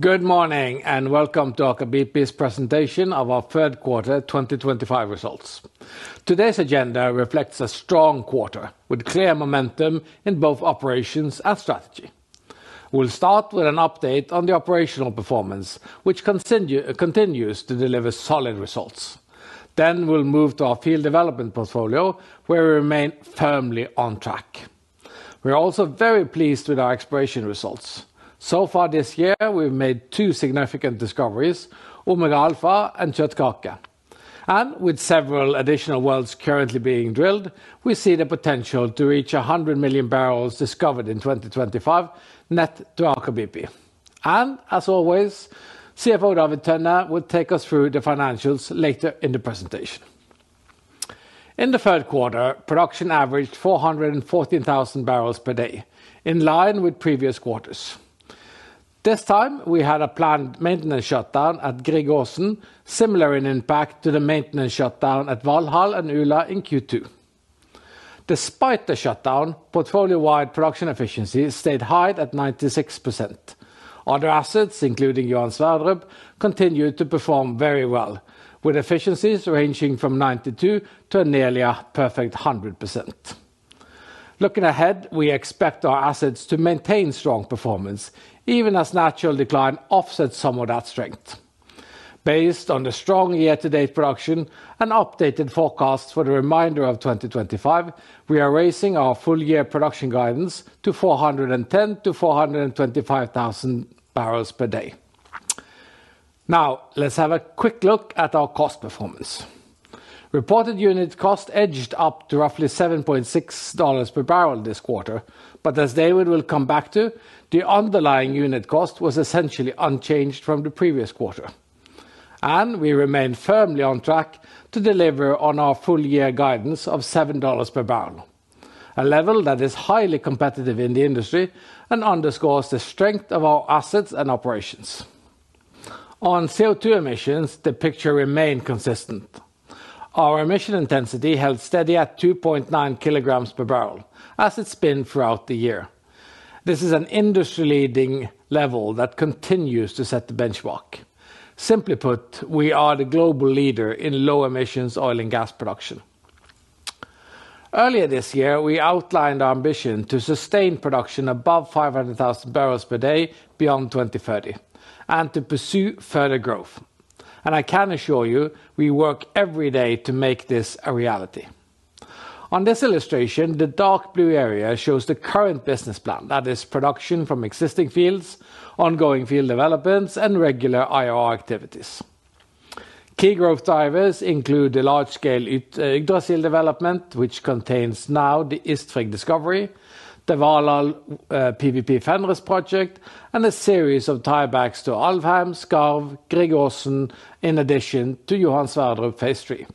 Good morning and welcome to Aker BP's presentation of our third quarter 2025 results. Today's agenda reflects a strong quarter with clear momentum in both operations and strategy. We'll start with an update on the operational performance, which continues to deliver solid results. Next, we'll move to our field development portfolio, where we remain firmly on track. We're also very pleased with our exploration results. So far this year, we've made two significant discoveries: Omega Alfa and Kjøttkake. With several additional wells currently being drilled, we see the potential to reach 100 million bbls discovered in 2025, net to Aker BP. As always, CFO David Tønne will take us through the financials later in the presentation. In the third quarter, production averaged 414,000 bbls per day, in line with previous quarters. This time, we had a planned maintenance shutdown at Gryggåsen, similar in impact to the maintenance shutdown at Valhall and Ula in Q2. Despite the shutdown, portfolio-wide production efficiency stayed high at 96%. Other assets, including Johan Sverdrup, continued to perform very well, with efficiencies ranging from 92% to a nearly perfect 100%. Looking ahead, we expect our assets to maintain strong performance, even as natural decline offsets some of that strength. Based on the strong year-to-date production and updated forecasts for the remainder of 2025, we are raising our full-year production guidance to 410,000 bbls-425,000 bbls per day. Now, let's have a quick look at our cost performance. Reported unit costs edged up to roughly $7.60 per barrel this quarter, but as David will come back to, the underlying unit cost was essentially unchanged from the previous quarter. We remain firmly on track to deliver on our full-year guidance of $7.00 per barrel, a level that is highly competitive in the industry and underscores the strength of our assets and operations. On CO2 emissions, the picture remained consistent. Our emission intensity held steady at 2.9 kg per barrel, as it's been throughout the year. This is an industry-leading level that continues to set the benchmark. Simply put, we are the global leader in low-emissions oil and gas production. Earlier this year, we outlined our ambition to sustain production above 500,000 bbls per day beyond 2030 and to pursue further growth. I can assure you, we work every day to make this a reality. On this illustration, the dark blue area shows the current business plan, that is, production from existing fields, ongoing field developments, and regular IOR activities. Key growth drivers include the large-scale Yggdrasil development, which contains now the Istavik discovery, the Valhall PWP-Fenris project, and a series of tiebacks to Alfheim, Skarv, Gryggåsen, in addition to Johan Sverdrup phase three.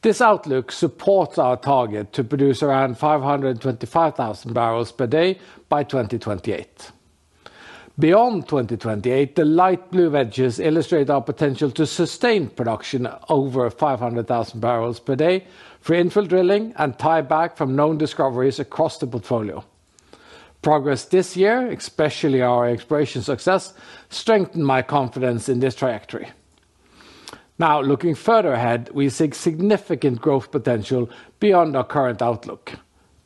This outlook supports our target to produce around 525,000 bbls per day by 2028. Beyond 2028, the light blue wedges illustrate our potential to sustain production over 500,000 bbls per day for infill drilling and tieback from known discoveries across the portfolio. Progress this year, especially our exploration success, strengthened my confidence in this trajectory. Now, looking further ahead, we see significant growth potential beyond our current outlook.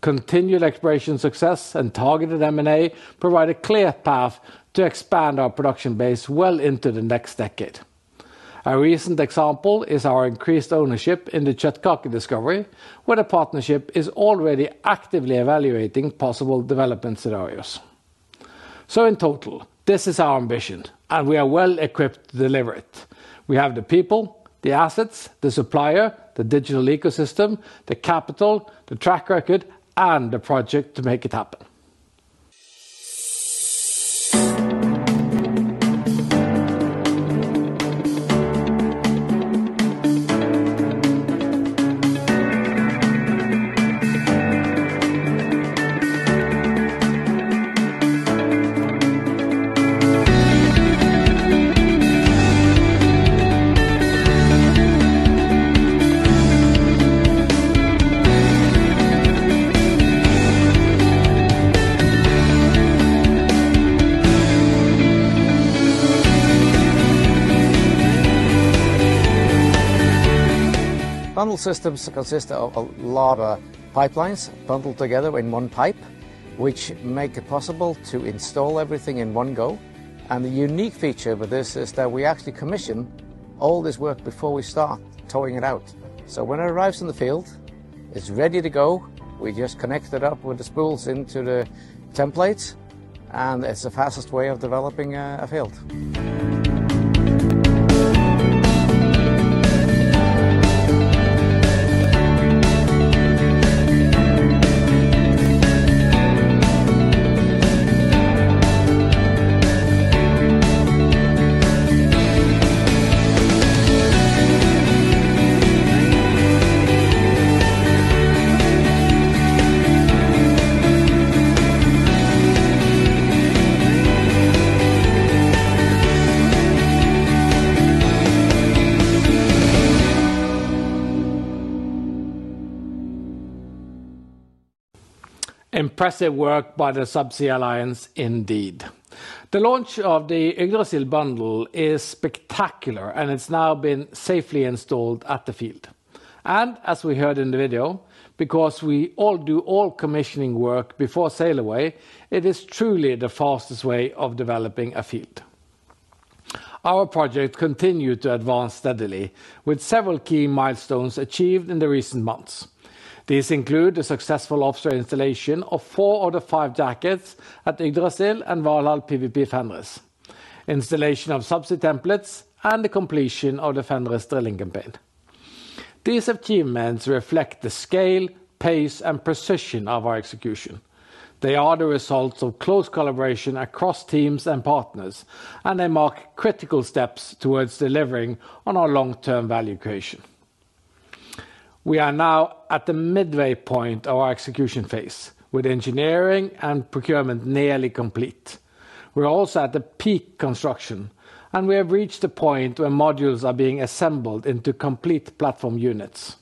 Continued exploration success and targeted M&A provide a clear path to expand our production base well into the next decade. A recent example is our increased ownership in the Kjøttkake discovery, where the partnership is already actively evaluating possible development scenarios. In total, this is our ambition, and we are well equipped to deliver it. We have the people, the assets, the supplier, the digital ecosystem, the capital, the track record, and the project to make it happen. Bundled systems consist of a lot of pipelines bundled together in one pipe, which makes it possible to install everything in one go. The unique feature with this is that we actually commission all this work before we start towing it out. When it arrives in the field, it's ready to go. We just connect it up with the spools into the templates, and it's the fastest way of developing a field. Impressive work by the Subsea Alliance, indeed. The launch of the Yggdrasil bundle is spectacular, and it's now been safely installed at the field. As we heard in the video, because we all do all commissioning work before sail away, it is truly the fastest way of developing a field. Our project continued to advance steadily, with several key milestones achieved in the recent months. These include the successful offshore installation of four of the five jackets at Yggdrasil and Valhall PWP-Fenris, installation of subsea templates, and the completion of the Fenris drilling campaign. These achievements reflect the scale, pace, and precision of our execution. They are the results of close collaboration across teams and partners, and they mark critical steps towards delivering on our long-term value creation. We are now at the midway point of our execution phase, with engineering and procurement nearly complete. We're also at the peak construction, and we have reached the point where modules are being assembled into complete platform units.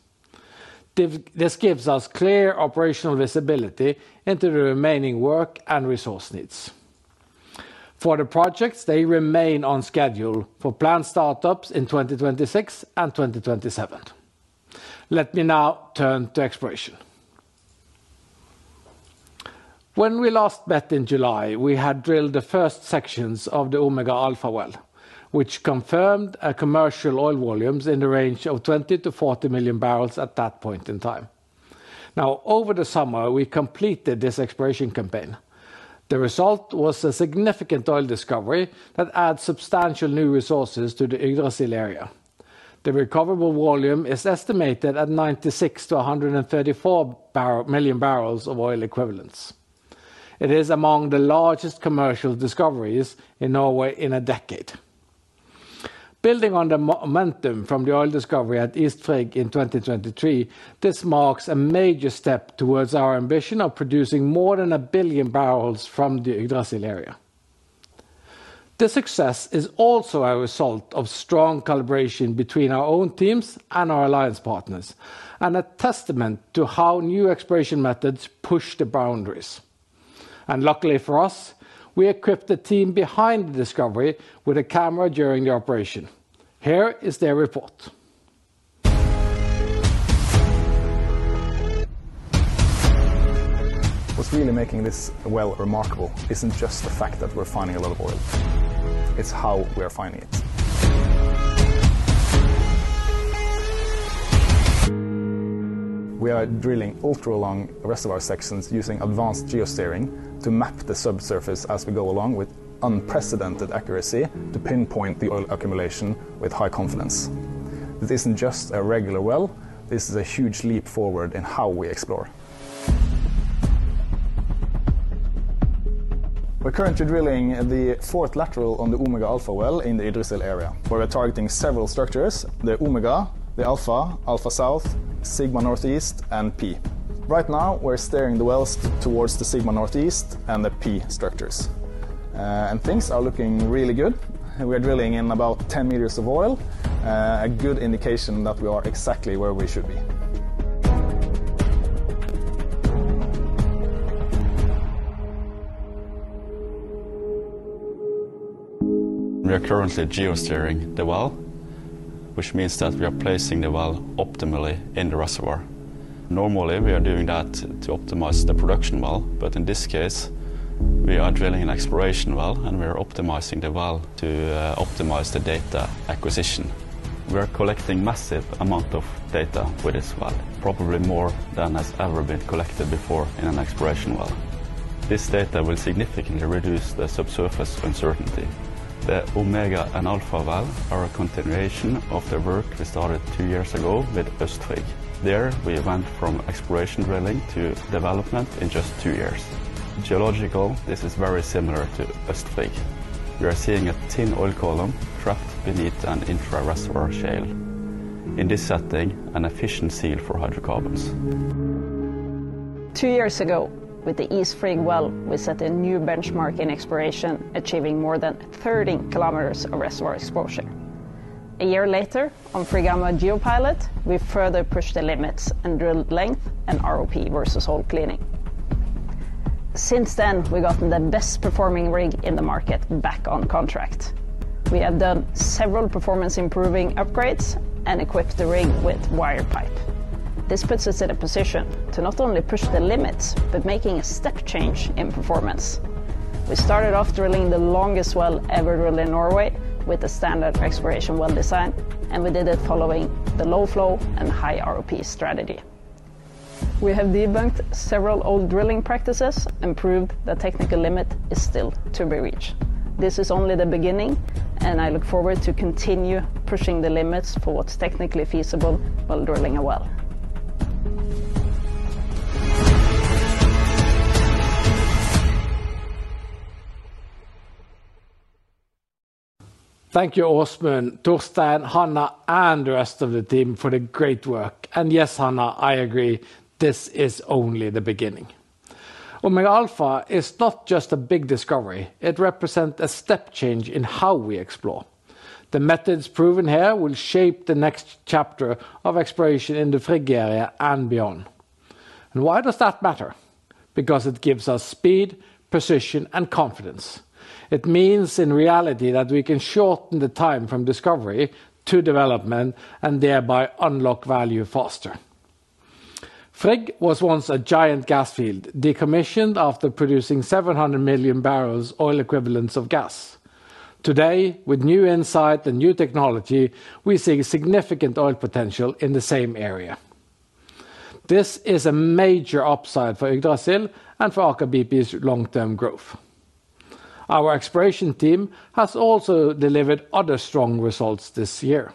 This gives us clear operational visibility into the remaining work and resource needs. For the projects, they remain on schedule for planned startups in 2026 and 2027. Let me now turn to exploration. When we last met in July, we had drilled the first sections of the Omega Alfa well, which confirmed commercial oil volumes in the range of 20 million bbls-40 million bbls at that point in time. Now, over the summer, we completed this exploration campaign. The result was a significant oil discovery that adds substantial new resources to the Yggdrasil area. The recoverable volume is estimated at 96 million bbls-134 million bbls of oil equivalent. It is among the largest commercial discoveries in Norway in a decade. Building on the momentum from the oil discovery at Istavik in 2023, this marks a major step towards our ambition of producing more than a billion bbls from the Yggdrasil area. The success is also a result of strong collaboration between our own teams and our Alliance partners, and a testament to how new exploration methods push the boundaries. Luckily for us, we equipped the team behind the discovery with a camera during the operation. Here is their report. What's really making this well remarkable isn't just the fact that we're finding a lot of oil. It's how we are finding it. We are drilling ultra-long reservoir sections using advanced geosteering to map the subsurface as we go along with unprecedented accuracy to pinpoint the oil accumulation with high confidence. This isn't just a regular well. This is a huge leap forward in how we explore. We're currently drilling the fourth lateral on the Omega Alfa well in the Yggdrasil area, where we're targeting several structures: the Omega, the Alfa, Alfa South, Sigma Northeast, and P. Right now, we're steering the wells towards the Sigma Northeast and the P structures. Things are looking really good. We are drilling in about 10 m oil, a good indication that we are exactly where we should be. We are currently geosteering the well, which means that we are placing the well optimally in the reservoir. Normally, we are doing that to optimize the production well, but in this case, we are drilling an exploration well, and we are optimizing the well to optimize the data acquisition. We're collecting a massive amount of data with this well, probably more than has ever been collected before in an exploration well. This data will significantly reduce the subsurface uncertainty. The Omega and Alfa well are a continuation of the work we started two years ago with Istavik. There, we went from exploration drilling to development in just two years. Geologically, this is very similar to Istavik. We are seeing a thin oil column trapped beneath an infrared reservoir shale. In this setting, an efficient seal for hydrocarbons. Two years ago, with the Istavik well, we set a new benchmark in exploration, achieving more than 30 km of reservoir exposure. A year later, on Free Gamma Geopilot, we further pushed the limits and drilled length and ROP versus hole cleaning. Since then, we've gotten the best-performing rig in the market back on contract. We have done several performance-improving upgrades and equipped the rig with wired pipe. This puts us in a position to not only push the limits but make a step change in performance. We started off drilling the longest well ever drilled in Norway with the standard exploration well design, and we did it following the low flow and high ROP strategy. We have debunked several old drilling practices and proved the technical limit is still to be reached. This is only the beginning, and I look forward to continuing pushing the limits for what's technically feasible while drilling a well. Thank you, Osmund, Torstein, Hannah, and the rest of the team for the great work. Yes, Hannah, I agree, this is only the beginning. Omega Alfa is not just a big discovery. It represents a step change in how we explore. The methods proven here will shape the next chapter of exploration in the Frigg area and beyond. Why does that matter? It gives us speed, precision, and confidence. It means, in reality, that we can shorten the time from discovery to development and thereby unlock value faster. Frigg was once a giant gas field, decommissioned after producing 700 million bbls of oil equivalent of gas. Today, with new insight and new technology, we see significant oil potential in the same area. This is a major upside for Yggdrasil and for Aker BP's long-term growth. Our exploration team has also delivered other strong results this year.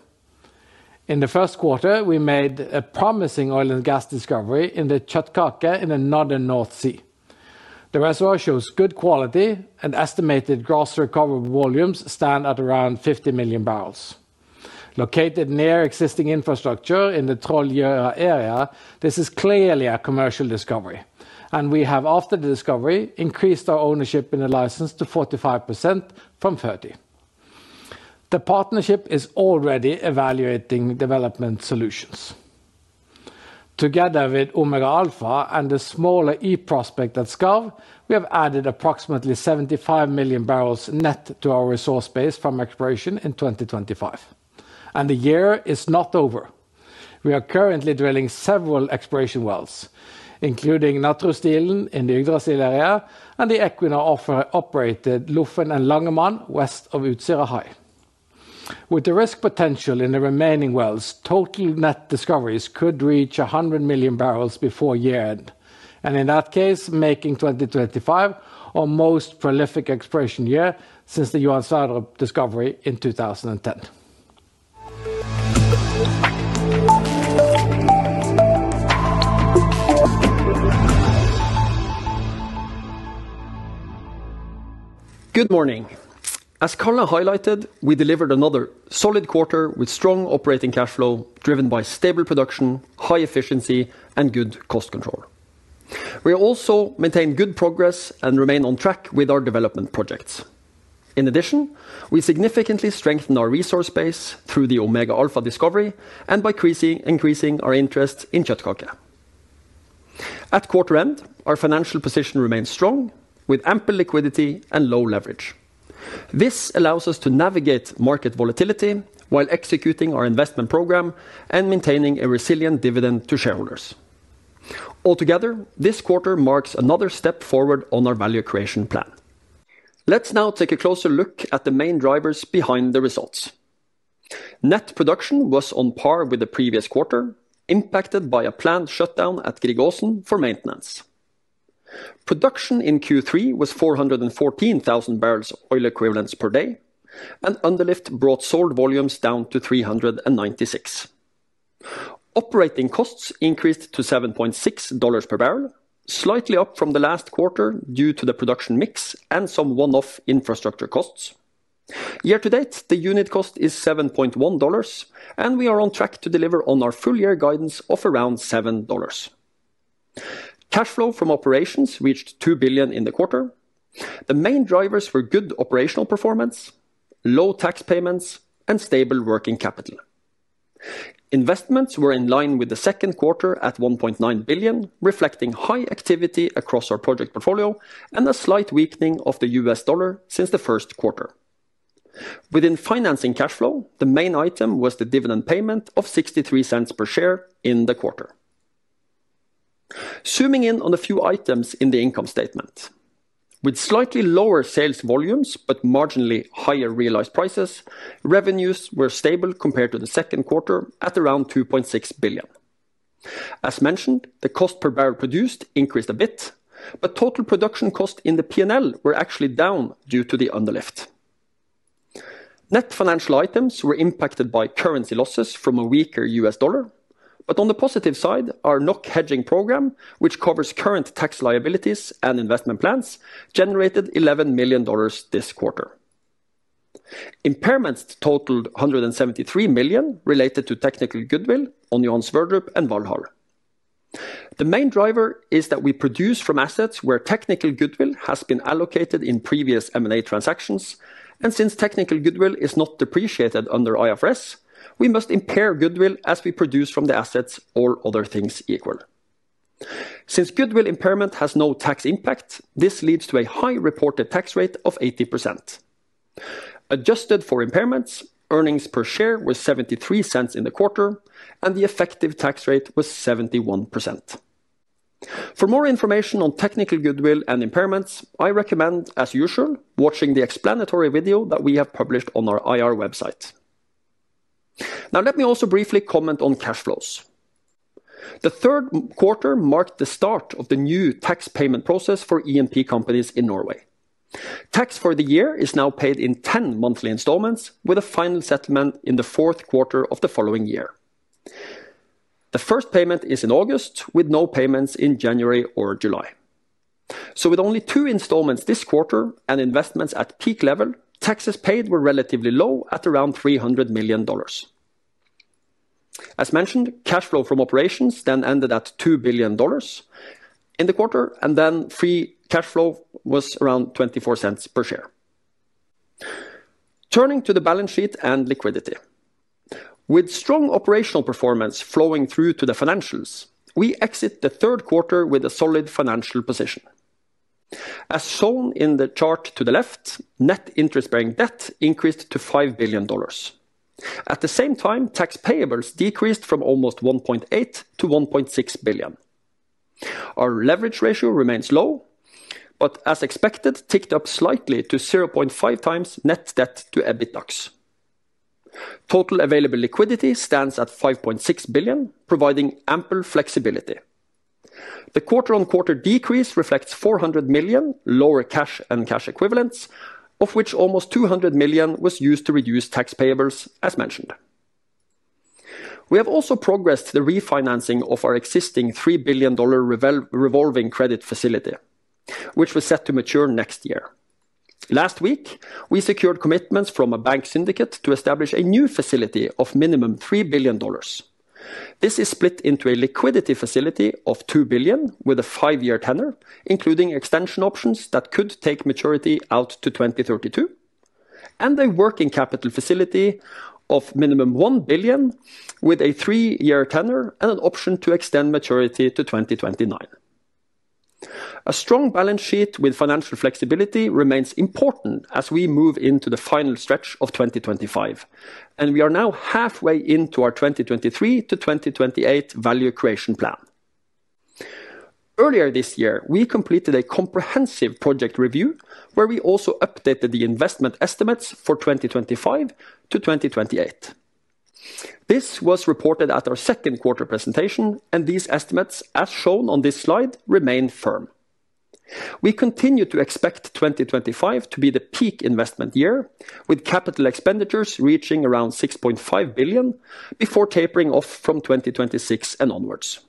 In the first quarter, we made a promising oil and gas discovery in the Kjøttkake in the Northern North Sea. The reservoir shows good quality, and estimated gross recoverable volumes stand at around 50 million bbls. Located near existing infrastructure in the Troll Juhla area, this is clearly a commercial discovery. We have, after the discovery, increased our ownership in the license to 45% from 30%. The partnership is already evaluating development solutions. Together with Omega Alfa and the smaller e-prospect at Skarv, we have added approximately 75 million bbls net to our resource base from exploration in 2025. The year is not over. We are currently drilling several exploration wells, including Natruisdelen in the Yggdrasil area and the Equinor-operated Lufven and Langemann west of Utsirahøy. With the risk potential in the remaining wells, total net discoveries could reach 100 million bbls before year end. In that case, making 2025 our most prolific exploration year since the Johan Sverdrup discovery in 2010. Good morning. As Karl highlighted, we delivered another solid quarter with strong operating cash flow driven by stable production, high efficiency, and good cost control. We also maintained good progress and remain on track with our development projects. In addition, we significantly strengthened our resource base through the Omega Alfa discovery and by increasing our interest in Kjøttkake. At quarter end, our financial position remains strong, with ample liquidity and low leverage. This allows us to navigate market volatility while executing our investment program and maintaining a resilient dividend to shareholders. Altogether, this quarter marks another step forward on our value creation plan. Let's now take a closer look at the main drivers behind the results. Net production was on par with the previous quarter, impacted by a planned shutdown at Gryggåsen for maintenance. Production in Q3 was 414,000 bbls of oil equivalent per day, and underlift brought sold volumes down to 396,000 bbls. Operating costs increased to $7.6 per barrel, slightly up from the last quarter due to the production mix and some one-off infrastructure costs. Year to date, the unit cost is $7.1, and we are on track to deliver on our full-year guidance of around $7. Cash flow from operations reached $2 billion in the quarter. The main drivers were good operational performance, low tax payments, and stable working capital. Investments were in line with the second quarter at $1.9 billion, reflecting high activity across our project portfolio and a slight weakening of the U.S. dollar since the first quarter. Within financing cash flow, the main item was the dividend payment of $0.63 per share in the quarter. Zooming in on a few items in the income statement. With slightly lower sales volumes but marginally higher realized prices, revenues were stable compared to the second quarter at around $2.6 billion. As mentioned, the cost per barrel produced increased a bit, but total production costs in the P&L were actually down due to the underlift. Net financial items were impacted by currency losses from a weaker U.S. dollar, but on the positive side, our NOC hedging program, which covers current tax liabilities and investment plans, generated $11 million this quarter. Impairments totaled $173 million related to technical goodwill on Johan Sverdrup and Valhall. The main driver is that we produce from assets where technical goodwill has been allocated in previous M&A transactions, and since technical goodwill is not depreciated under IFRS, we must impair goodwill as we produce from the assets all other things equal. Since goodwill impairment has no tax impact, this leads to a high reported tax rate of 80%. Adjusted for impairments, earnings per share were $0.73 in the quarter, and the effective tax rate was 71%. For more information on technical goodwill and impairments, I recommend, as usual, watching the explanatory video that we have published on our IR website. Now, let me also briefly comment on cash flows. The third quarter marked the start of the new tax payment process for E&P companies in Norway. Tax for the year is now paid in 10 monthly installments, with a final settlement in the fourth quarter of the following year. The first payment is in August, with no payments in January or July. With only two installments this quarter and investments at peak level, taxes paid were relatively low at around $300 million. As mentioned, cash flow from operations then ended at $2 billion in the quarter, and then free cash flow was around $0.24 per share. Turning to the balance sheet and liquidity. With strong operational performance flowing through to the financials, we exit the third quarter with a solid financial position. As shown in the chart to the left, net interest-bearing debt increased to $5 billion. At the same time, tax payables decreased from almost $1.8 billion-$1.6 billion. Our leverage ratio remains low, but as expected, ticked up slightly to 0.5x net debt to EBITDA. Total available liquidity stands at $5.6 billion, providing ample flexibility. The quarter-on-quarter decrease reflects $400 million lower cash and cash equivalents, of which almost $200 million was used to reduce tax payables, as mentioned. We have also progressed the refinancing of our existing $3 billion revolving credit facility, which was set to mature next year. Last week, we secured commitments from a bank syndicate to establish a new facility of a minimum of $3 billion. This is split into a liquidity facility of $2 billion with a five-year tenor, including extension options that could take maturity out to 2032, and a working capital facility of a minimum of $1 billion with a three-year tenor and an option to extend maturity to 2029. A strong balance sheet with financial flexibility remains important as we move into the final stretch of 2025, and we are now halfway into our 2023-2028 value creation plan. Earlier this year, we completed a comprehensive project review where we also updated the investment estimates for 2025-2028. This was reported at our second quarter presentation, and these estimates, as shown on this slide, remain firm. We continue to expect 2025 to be the peak investment year, with capital expenditures reaching around $6.5 billion before tapering off from 2026 and onwards.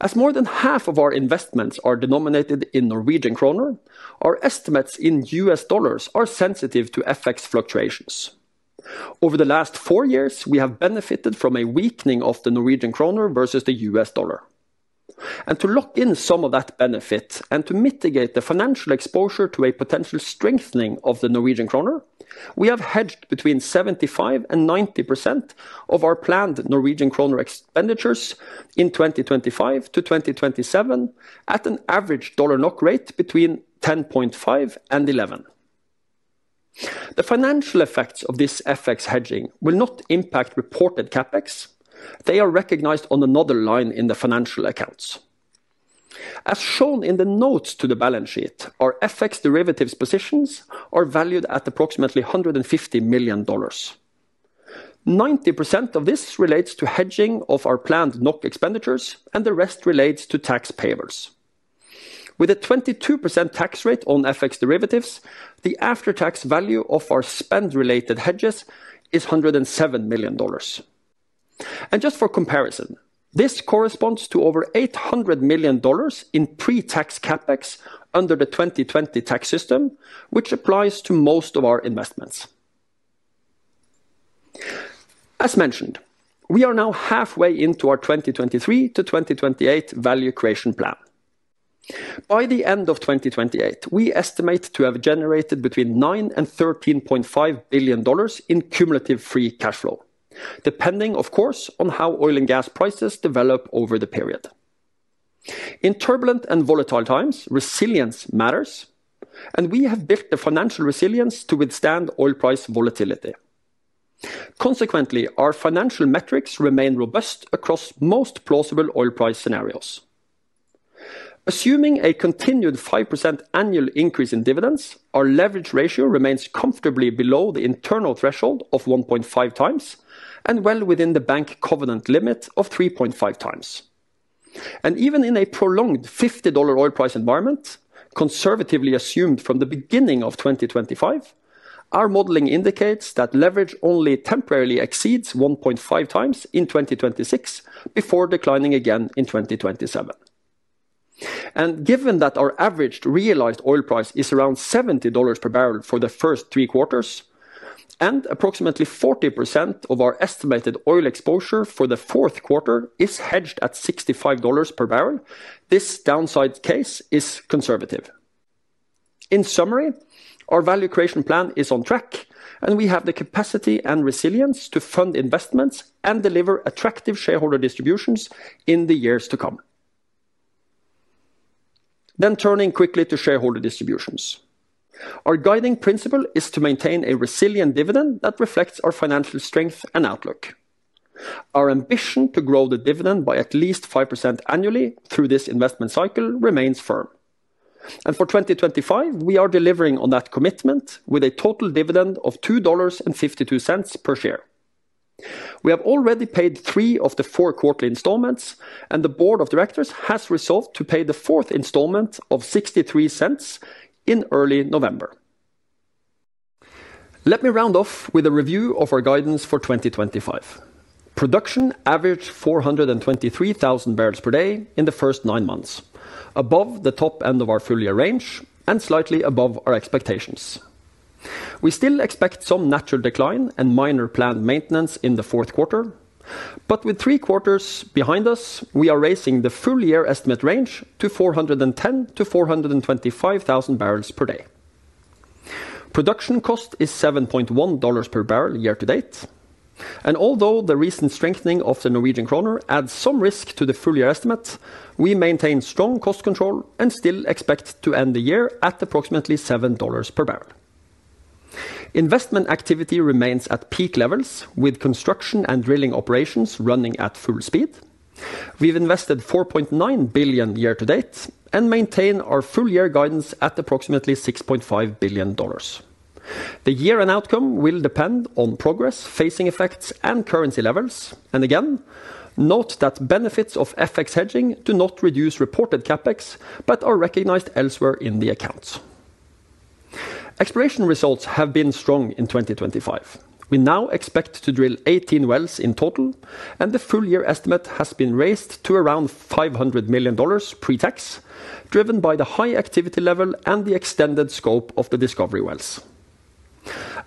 As more than half of our investments are denominated in Norwegian kroner, our estimates in U.S. dollars are sensitive to FX fluctuations. Over the last four years, we have benefited from a weakening of the Norwegian kroner versus the U.S. dollar. To lock in some of that benefit and to mitigate the financial exposure to a potential strengthening of the Norwegian kroner, we have hedged between 75% and 90% of our planned Norwegian kroner expenditures in 2025-2027 at an average dollar NOK rate between 10.5 and 11. The financial effects of this FX hedging will not impact reported CapEx. They are recognized on another line in the financial accounts. As shown in the notes to the balance sheet, our FX derivatives positions are valued at approximately $150 million. 90% of this relates to hedging of our planned NOK expenditures, and the rest relates to tax payables. With a 22% tax rate on FX derivatives, the after-tax value of our spend-related hedges is $107 million. Just for comparison, this corresponds to over $800 million in pre-tax CapEx under the 2020 tax system, which applies to most of our investments. As mentioned, we are now halfway into our 2023-2028 value creation plan. By the end of 2028, we estimate to have generated between $9 billion and $13.5 billion in cumulative free cash flow, depending, of course, on how oil and gas prices develop over the period. In turbulent and volatile times, resilience matters, and we have built the financial resilience to withstand oil price volatility. Consequently, our financial metrics remain robust across most plausible oil price scenarios. Assuming a continued 5% annual increase in dividends, our leverage ratio remains comfortably below the internal threshold of 1.5x and well within the bank covenant limit of 3.5x. Even in a prolonged $50 oil price environment, conservatively assumed from the beginning of 2025, our modeling indicates that leverage only temporarily exceeds 1.5x in 2026 before declining again in 2027. Given that our averaged realized oil price is around $70 per barrel for the first three quarters, and approximately 40% of our estimated oil exposure for the fourth quarter is hedged at $65 per barrel, this downside case is conservative. In summary, our value creation plan is on track, and we have the capacity and resilience to fund investments and deliver attractive shareholder distributions in the years to come. Turning quickly to shareholder distributions, our guiding principle is to maintain a resilient dividend that reflects our financial strength and outlook. Our ambition to grow the dividend by at least 5% annually through this investment cycle remains firm. For 2025, we are delivering on that commitment with a total dividend of $2.52 per share. We have already paid three of the four quarterly installments, and the Board of Directors has resolved to pay the fourth installment of $0.63 in early November. Let me round off with a review of our guidance for 2025. Production averaged 423,000 bbls per day in the first nine months, above the top end of our full-year range and slightly above our expectations. We still expect some natural decline and minor planned maintenance in the fourth quarter, but with three quarters behind us, we are raising the full-year estimate range to 410,000 bbls-425,000 bbls per day. Production cost is $7.10 per barrel year to date. Although the recent strengthening of the Norwegian kroner adds some risk to the full-year estimate, we maintain strong cost control and still expect to end the year at approximately $7 per barrel. Investment activity remains at peak levels, with construction and drilling operations running at full speed. We've invested $4.9 billion year to date and maintain our full-year guidance at approximately $6.5 billion. The year-end outcome will depend on progress, phasing effects, and currency levels. Note that benefits of FX hedging do not reduce reported CapEx but are recognized elsewhere in the accounts. Exploration results have been strong in 2025. We now expect to drill 18 wells in total, and the full-year estimate has been raised to around $500 million pre-tax, driven by the high activity level and the extended scope of the discovery wells.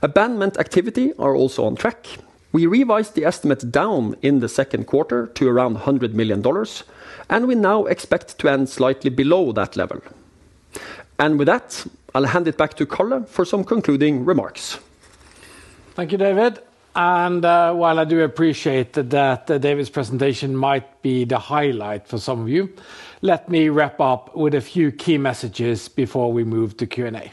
Abandonment activity is also on track. We revised the estimate down in the second quarter to around $100 million, and we now expect to end slightly below that level. With that, I'll hand it back to Karl Johnny Hersvik for some concluding remarks. Thank you, David. While I do appreciate that David's presentation might be the highlight for some of you, let me wrap up with a few key messages before we move to Q&A.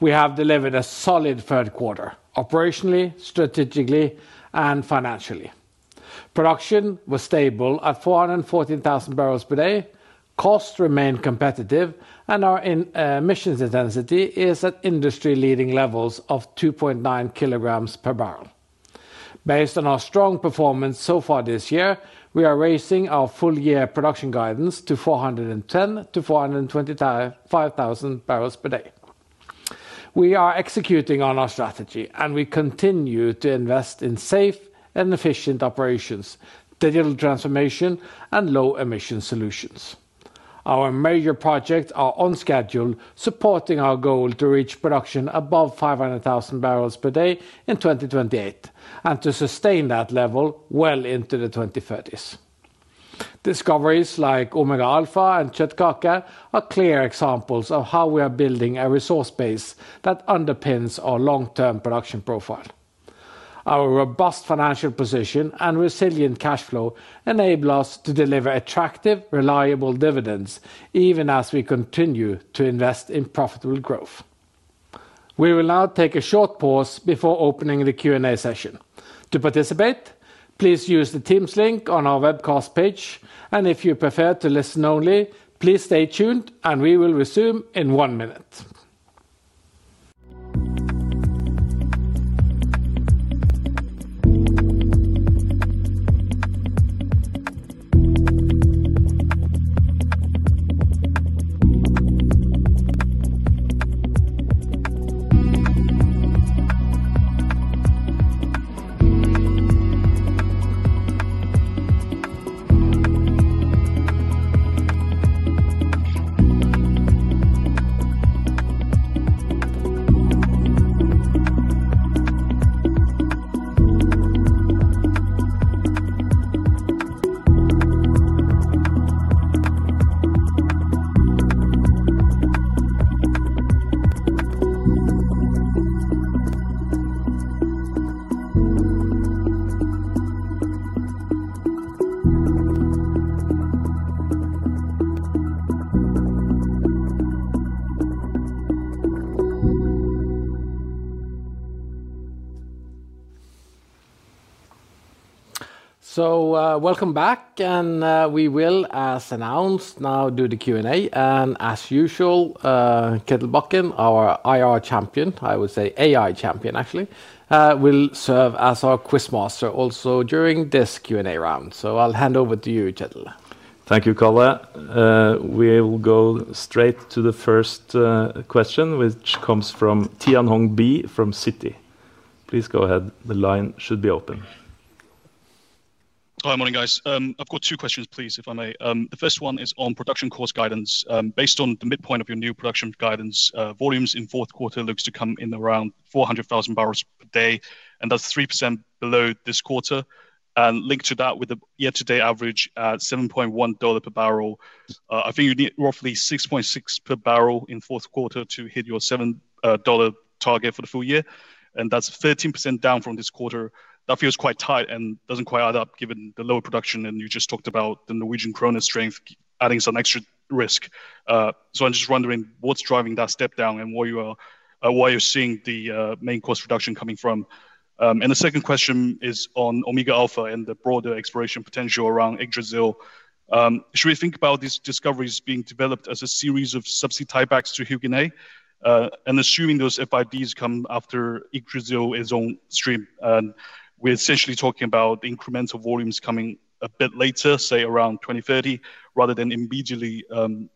We have delivered a solid third quarter, operationally, strategically, and financially. Production was stable at 414,000 bbls per day, costs remained competitive, and our emissions intensity is at industry-leading levels of 2.9 kg per barrel. Based on our strong performance so far this year, we are raising our full-year production guidance to 410, 000 bbls-425,000 bbls per day. We are executing on our strategy, and we continue to invest in safe and efficient operations, digital transformation, and low-emission solutions. Our major projects are on schedule, supporting our goal to reach production above 500,000 bbls per day in 2028 and to sustain that level well into the 2030s. Discoveries like Omega Alfa and Kjøttkake are clear examples of how we are building a resource base that underpins our long-term production profile. Our robust financial position and resilient cash flow enable us to deliver attractive, reliable dividends, even as we continue to invest in profitable growth. We will now take a short pause before opening the Q&A session. To participate, please use the Teams link on our webcast page, and if you prefer to listen only, please stay tuned, and we will resume in one minute. Welcome back. We will, as announced, now do the Q&A. As usual, Kjetil Bakken, our IR champion, I would say AI champion, actually, will serve as our quiz master also during this Q&A round. I'll hand over to you, Kjetil. Thank you, Karl. We will go straight to the first question, which comes from Tianhong Bi from Citi. Please go ahead. The line should be open. Hi, morning, guys. I've got two questions, please, if I may. The first one is on production cost guidance. Based on the midpoint of your new production guidance, volumes in the fourth quarter look to come in around 400,000 bbls per day, and that's 3% below this quarter. Linked to that, with the year-to-date average at $7.1 per barrel, I think you need roughly $6.6 per barrel in the fourth quarter to hit your $7 target for the full year. That's 13% down from this quarter. That feels quite tight and doesn't quite add up, given the lower production and you just talked about the Norwegian kroner strength adding some extra risk. I'm just wondering what's driving that step down and where you're seeing the main cost reduction coming from. The second question is on Omega Alfa and the broader exploration potential around Yggdrasil. Should we think about these discoveries being developed as a series of subsea tiebacks to Yggdrasil? Assuming those FIDs come after Yggdrasil is on stream, we're essentially talking about incremental volumes coming a bit later, say around 2030, rather than immediately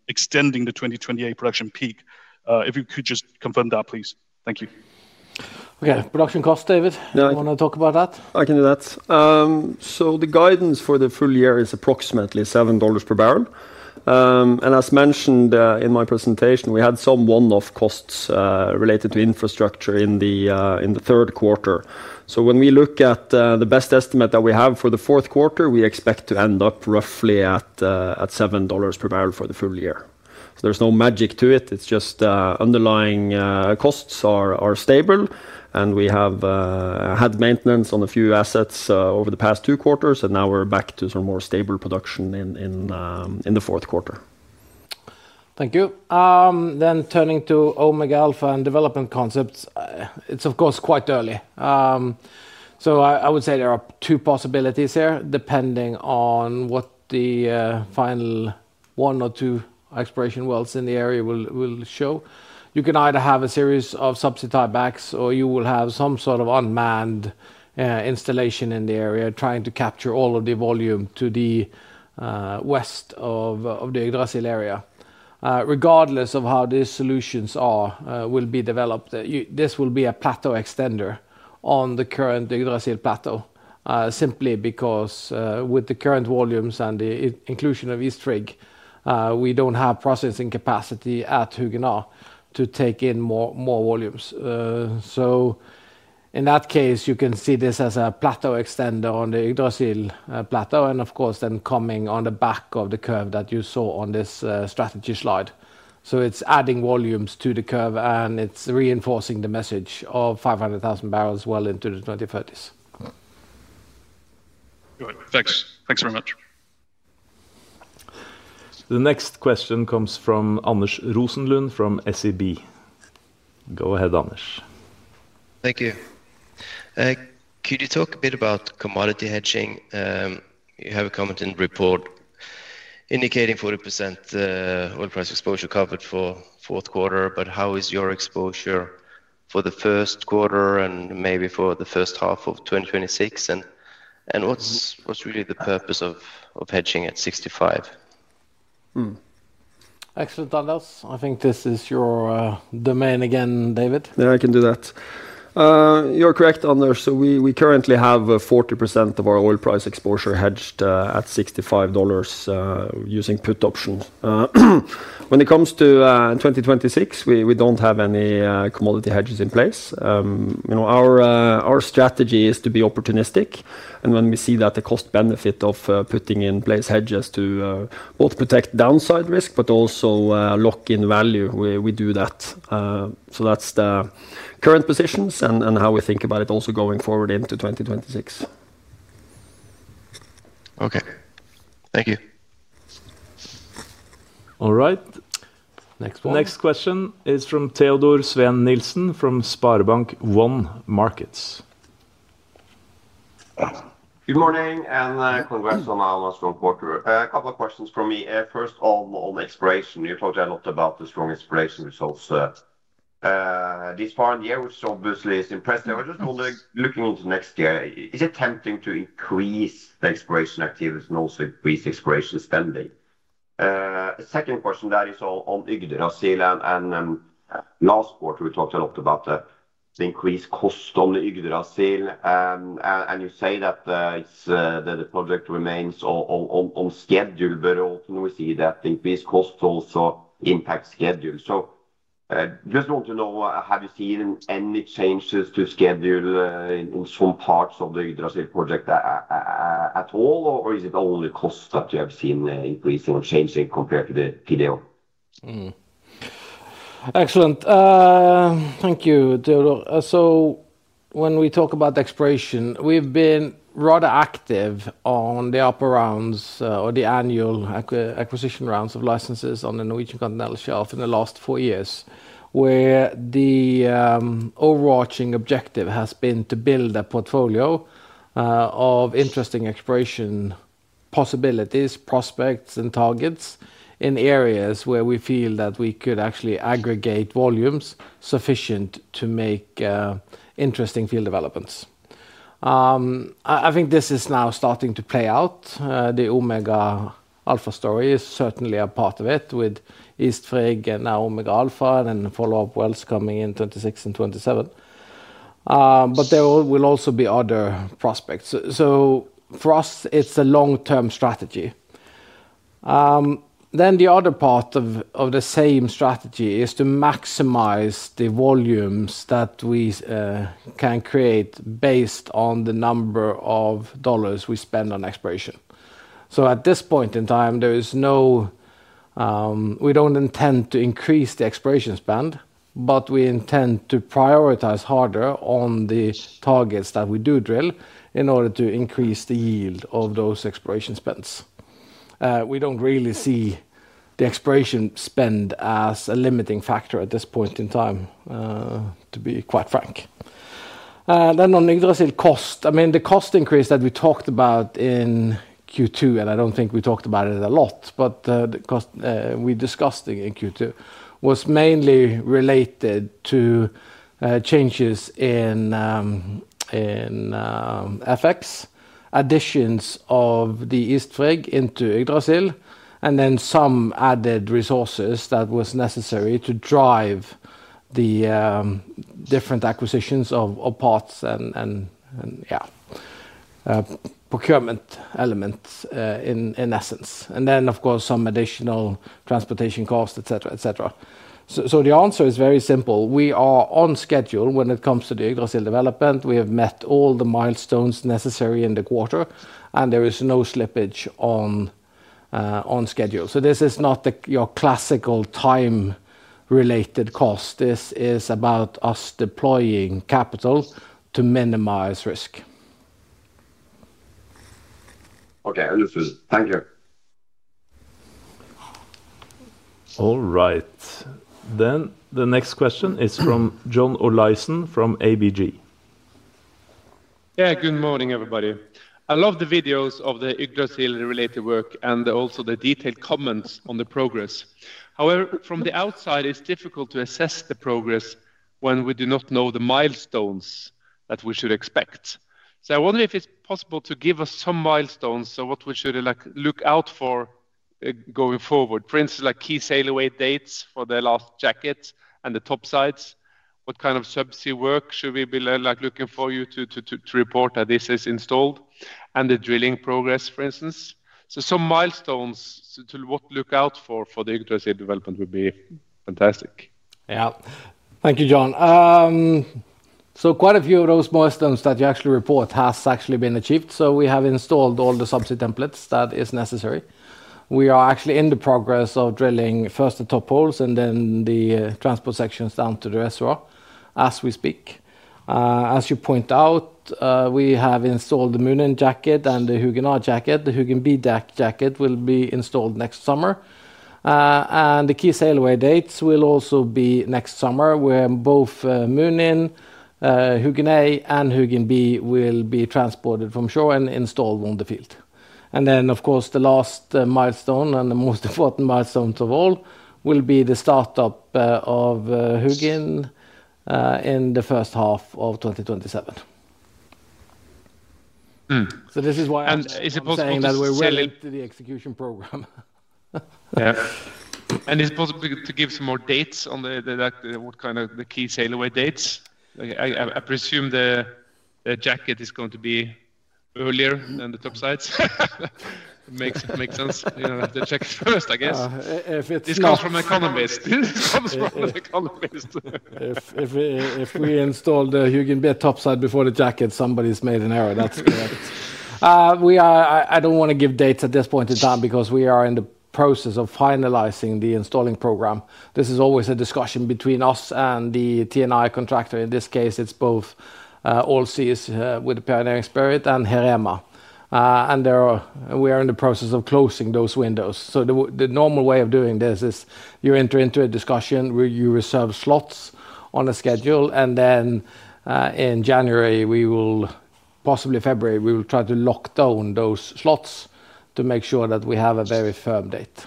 extending the 2028 production peak. If you could just confirm that, please. Thank you. Okay, production cost, David. Do you want to talk about that? I can do that. The guidance for the full year is approximately $7 per barrel. As mentioned in my presentation, we had some one-off costs related to infrastructure in the third quarter. When we look at the best estimate that we have for the fourth quarter, we expect to end up roughly at $7 per barrel for the full year. There is no magic to it. It's just underlying costs are stable, and we have had maintenance on a few assets over the past two quarters, and now we're back to some more stable production in the fourth quarter. Thank you. Turning to Omega Alfa and development concepts, it's of course quite early. I would say there are two possibilities here, depending on what the final one or two exploration wells in the area will show. You can either have a series of subsea tiebacks, or you will have some sort of unmanned installation in the area trying to capture all of the volume to the west of the Yggdrasil area. Regardless of how these solutions will be developed, this will be a plateau extender on the current Yggdrasil plateau, simply because with the current volumes and the inclusion of East Frigg, we don't have processing capacity at Hugin A to take in more volumes. In that case, you can see this as a plateau extender on the Yggdrasil plateau, and of course then coming on the back of the curve that you saw on this strategy slide. It's adding volumes to the curve, and it's reinforcing the message of 500,000 bbls well into the 2030s. Good, thanks. Thanks very much. The next question comes from Anders Rosenlund from SEB. Go ahead, Anders. Thank you. Could you talk a bit about commodity hedging? You have a comment in the report indicating 40% oil price exposure covered for the fourth quarter, but how is your exposure for the first quarter and maybe for the first half of 2026? What's really the purpose of hedging at $65? Excellent, Anders. I think this is your domain again, David. I can do that. You're correct, Anders. We currently have 40% of our oil price exposure hedged at $65 using put option. When it comes to 2026, we don't have any commodity hedges in place. Our strategy is to be opportunistic, and when we see that the cost-benefit of putting in place hedges to both protect downside risk but also lock in value, we do that. That's the current positions and how we think about it also going forward into 2026. Okay, thank you. All right. Next question is from Theodor Sven Nielsen from SpareBank 1 Markets. Good morning, and congrats on our strong quarter. A couple of questions from me. First of all, on the exploration, you talked a lot about the strong exploration results this far in the year, which obviously is impressive. I was just wondering, looking into next year, is it tempting to increase the exploration activities and also increase the exploration spending? The second question that is on Yggdrasil, and last quarter we talked a lot about the increased cost on the Yggdrasil, and you say that the project remains on schedule, but often we see that the increased cost also impacts schedule. I just want to know, have you seen any changes to schedule in some parts of the Yggdrasil project at all, or is it only cost that you have seen increasing or changing compared to the PDO? Excellent. Thank you, Theodor. When we talk about the exploration, we've been rather active on the APA rounds or the annual acquisition rounds of licenses on the Norwegian Continental Shelf in the last four years, where the overarching objective has been to build a portfolio of interesting exploration possibilities, prospects, and targets in areas where we feel that we could actually aggregate volumes sufficient to make interesting field developments. I think this is now starting to play out. The Omega Alfa story is certainly a part of it, with Istavik and now Omega Alfa and then follow-up wells coming in 2026 and 2027. There will also be other prospects. For us, it's a long-term strategy. The other part of the same strategy is to maximize the volumes that we can create based on the number of dollars we spend on exploration. At this point in time, we don't intend to increase the exploration spend, but we intend to prioritize harder on the targets that we do drill in order to increase the yield of those exploration spends. We don't really see the exploration spend as a limiting factor at this point in time, to be quite frank. On Yggdrasil cost, the cost increase that we talked about in Q2, and I don't think we talked about it a lot, but the cost we discussed in Q2 was mainly related to changes in FX, additions of the Istavik into Yggdrasil, and then some added resources that were necessary to drive the different acquisitions of parts and, yeah, procurement elements in essence. Of course, some additional transportation costs, etc., etc. The answer is very simple. We are on schedule when it comes to the Yggdrasil development. We have met all the milestones necessary in the quarter, and there is no slippage on schedule. This is not your classical time-related cost. This is about us deploying capital to minimize risk. Okay, thank you. All right. The next question is from John Olaisen from ABG. Yeah, good morning, everybody. I love the videos of the Yggdrasil-related work and also the detailed comments on the progress. However, from the outside, it's difficult to assess the progress when we do not know the milestones that we should expect. I wonder if it's possible to give us some milestones, so what we should look out for going forward. For instance, like key sailaway dates for the last jacket and the topsides. What kind of subsea work should we be looking for you to report that this is installed? The drilling progress, for instance. Some milestones to what to look out for for the Yggdrasil development would be fantastic. Yeah, thank you, John. Quite a few of those milestones that you actually report have actually been achieved. We have installed all the subsea templates that are necessary. We are actually in the progress of drilling first the top holes and then the transport sections down to the reservoir as we speak. As you point out, we have installed the Munin jacket and the Hugin A jacket. The Hugin B jacket will be installed next summer. The key sailaway dates will also be next summer, where both Munin, Hugin A, and Hugin B will be transported from shore and installed on the field. Of course, the last milestone and the most important milestone of all will be the startup of Hugin in the first half of 2027. This is why I'm saying that we're really into the execution program. Is it possible to give some more dates on what kind of the key sailaway dates? I presume the jacket is going to be earlier than the topsides. Makes sense. The jacket first, I guess. This comes from an economist. If we install the Hugin B topside before the jacket, somebody's made an error. That's correct. I don't want to give dates at this point in time because we are in the process of finalizing the installing program. This is always a discussion between us and the TNI contractor. In this case, it's both Allseas with the Pioneering Spirit and Heerema. We are in the process of closing those windows. The normal way of doing this is you enter into a discussion, you reserve slots on a schedule, and then in January, possibly February, we will try to lock down those slots to make sure that we have a very firm date.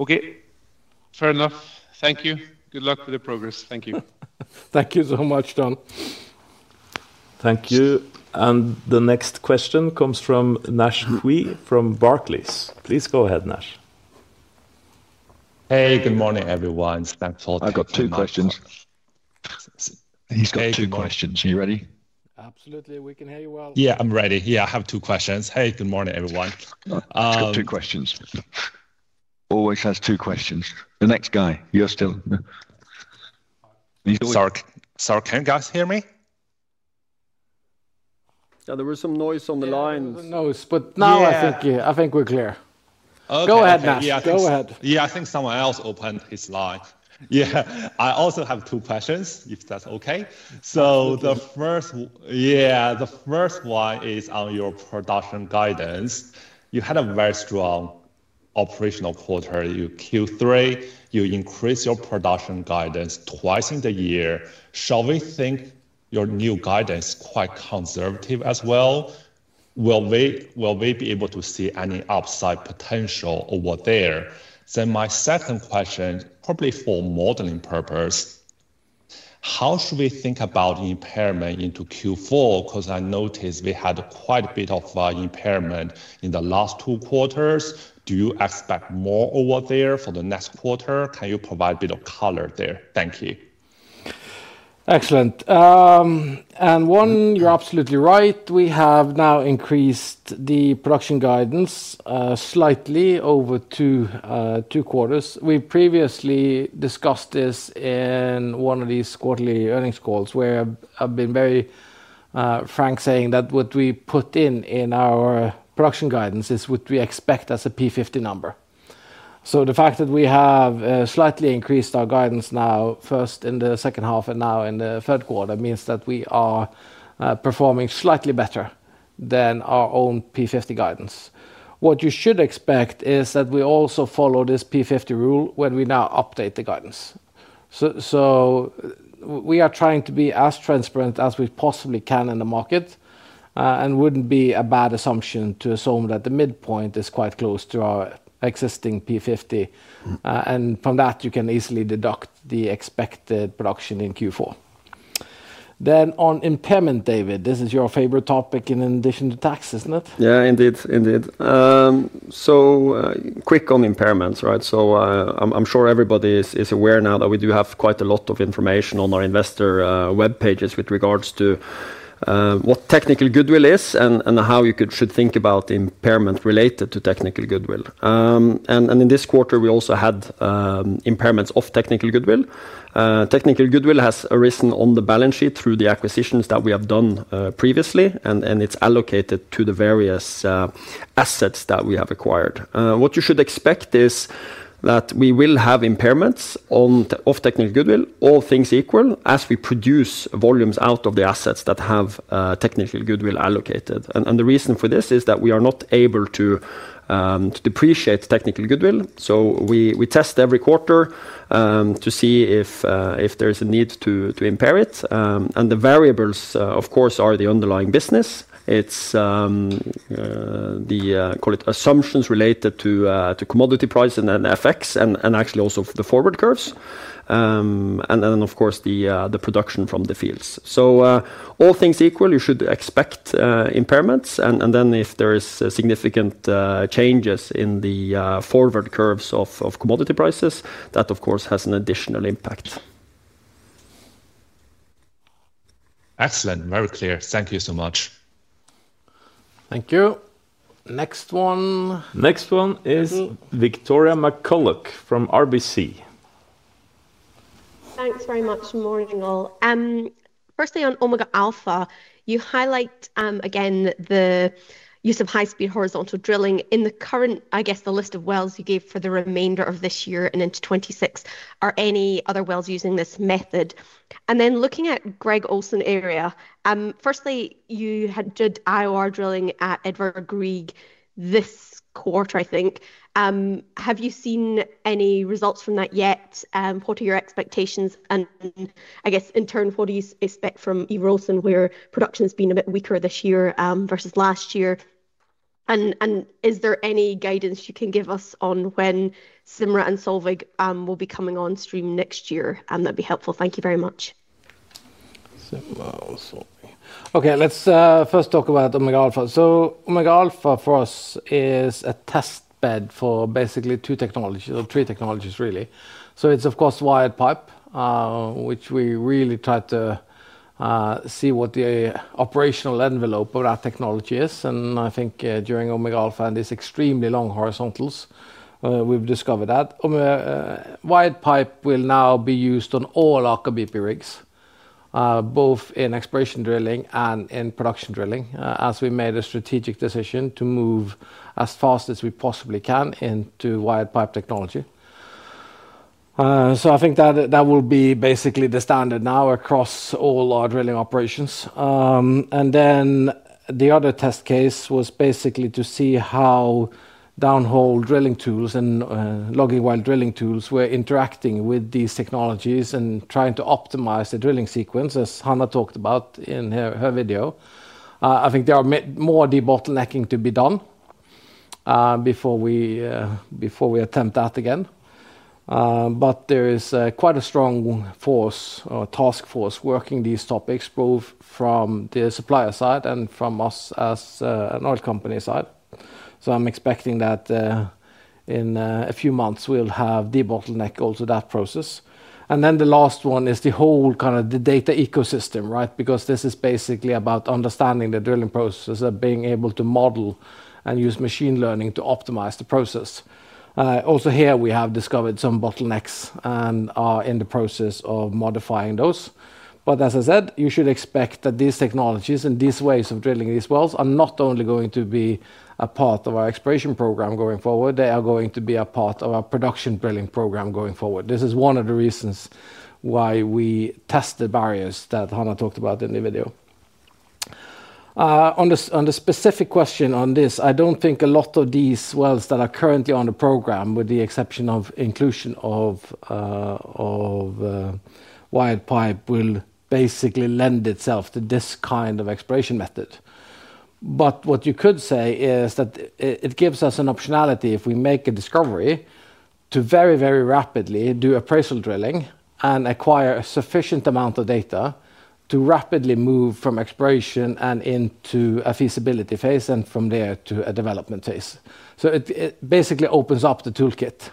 Okay, fair enough. Thank you. Good luck with the progress. Thank you. Thank you so much, John. Thank you. The next question comes from Nash Pui from Barclays. Please go ahead, Nash. Hey, good morning, everyone. Thanks for all the questions. I've got two questions. He's got two questions. Are you ready? Absolutely, we can hear you well. I'm ready. I have two questions. Good morning, everyone. He's got two questions. Always has two questions. The next guy, you're still. Sorry, can you guys hear me? Yeah, there was some noise on the lines. I think we're clear. Go ahead, Nash. Go ahead. I think someone else opened his line. I also have two questions, if that's okay. The first one is on your production guidance. You had a very strong operational quarter. In Q3, you increased your production guidance twice in the year. Shall we think your new guidance is quite conservative as well? Will we be able to see any upside potential over there? My second question, probably for modeling purpose, how should we think about impairment into Q4? I noticed we had quite a bit of impairment in the last two quarters. Do you expect more over there for the next quarter? Can you provide a bit of color there? Thank you. Excellent. You're absolutely right. We have now increased the production guidance slightly over two quarters. We previously discussed this in one of these quarterly earnings calls, where I've been very frank saying that what we put in our production guidance is what we expect as a P50 number. The fact that we have slightly increased our guidance now, first in the second half and now in the third quarter, means that we are performing slightly better than our own P50 guidance. What you should expect is that we also follow this P50 rule when we now update the guidance. We are trying to be as transparent as we possibly can in the market and it wouldn't be a bad assumption to assume that the midpoint is quite close to our existing P50. From that, you can easily deduct the expected production in Q4. On impairment, David, this is your favorite topic in addition to tax, isn't it? Yeah, indeed, indeed. Quick on impairments, right? I'm sure everybody is aware now that we do have quite a lot of information on our investor web pages with regards to what technical goodwill is and how you should think about impairment related to technical goodwill. In this quarter, we also had impairments of technical goodwill. Technical goodwill has risen on the balance sheet through the acquisitions that we have done previously, and it's allocated to the various assets that we have acquired. What you should expect is that we will have impairments of technical goodwill, all things equal, as we produce volumes out of the assets that have technical goodwill allocated. The reason for this is that we are not able to depreciate technical goodwill. We test every quarter to see if there is a need to impair it. The variables, of course, are the underlying business. It's the, call it, assumptions related to commodity prices and FX, and actually also the forward curves, and then, of course, the production from the fields. All things equal, you should expect impairments, and if there are significant changes in the forward curves of commodity prices, that, of course, has an additional impact. Excellent, very clear. Thank you so much. Thank you. Next one. Next one is Victoria McCulloch from RBC. Thanks very much. Morning all. Firstly, on Omega Alfa, you highlight again the use of high-speed horizontal drilling in the current, I guess, the list of wells you gave for the remainder of this year and into 2026. Are any other wells using this method? Looking at Greg Olson area, you had IOR drilling at Edvard Grieg this quarter, I think. Have you seen any results from that yet? What are your expectations? In turn, what do you expect from Ivar Aasen, where production has been a bit weaker this year versus last year? Is there any guidance you can give us on when Symra and Solveig will be coming on stream next year? That'd be helpful. Thank you very much. Symra or Solveig. Okay, let's first talk about Omega Alfa. Omega Alfa for us is a test bed for basically two technologies, or three technologies really. It's, of course, wired pipe, which we really try to see what the operational envelope of that technology is. I think during Omega Alfa and these extremely long horizontals, we've discovered that wired pipe will now be used on all Aker BP rigs, both in exploration drilling and in production drilling, as we made a strategic decision to move as fast as we possibly can into wired pipe technology. I think that will be basically the standard now across all our drilling operations. The other test case was basically to see how downhole drilling tools and logging while drilling tools were interacting with these technologies and trying to optimize the drilling sequence, as Hannah talked about in her video. I think there is more de-bottlenecking to be done before we attempt that again. There is quite a strong force, or task force, working these topics both from the supplier side and from us as an oil company side. I'm expecting that in a few months, we'll have de-bottlenecked also that process. The last one is the whole kind of the data ecosystem, right? This is basically about understanding the drilling processes and being able to model and use machine learning to optimize the process. Also, here we have discovered some bottlenecks and are in the process of modifying those. As I said, you should expect that these technologies and these ways of drilling these wells are not only going to be a part of our exploration program going forward, they are going to be a part of our production drilling program going forward. This is one of the reasons why we test the barriers that Hannah talked about in the video. On the specific question on this, I don't think a lot of these wells that are currently on the program, with the exception of inclusion of wired pipe, will basically lend itself to this kind of exploration method. What you could say is that it gives us an optionality if we make a discovery to very, very rapidly do appraisal drilling and acquire a sufficient amount of data to rapidly move from exploration and into a feasibility phase and from there to a development phase. It basically opens up the toolkit.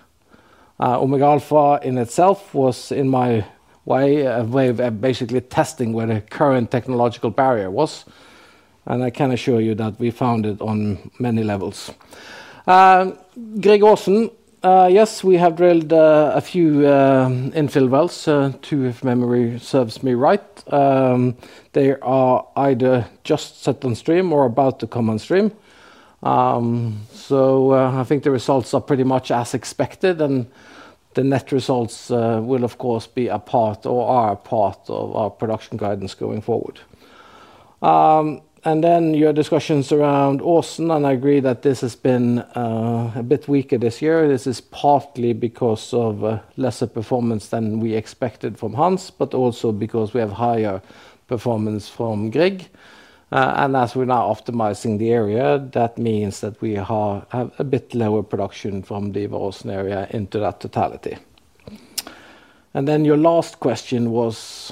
Omega Alfa in itself was, in my way, a way of basically testing where the current technological barrier was. I can assure you that we found it on many levels. Greg Olson, yes, we have drilled a few infill wells, two if memory serves me right. They are either just set on stream or about to come on stream. I think the results are pretty much as expected, and the net results will, of course, be a part or are a part of our production guidance going forward. Your discussions around Olson, I agree that this has been a bit weaker this year. This is partly because of lesser performance than we expected from Hans, but also because we have higher performance from Greg. As we're now optimizing the area, that means that we have a bit lower production from the Olson area into that totality. Your last question was.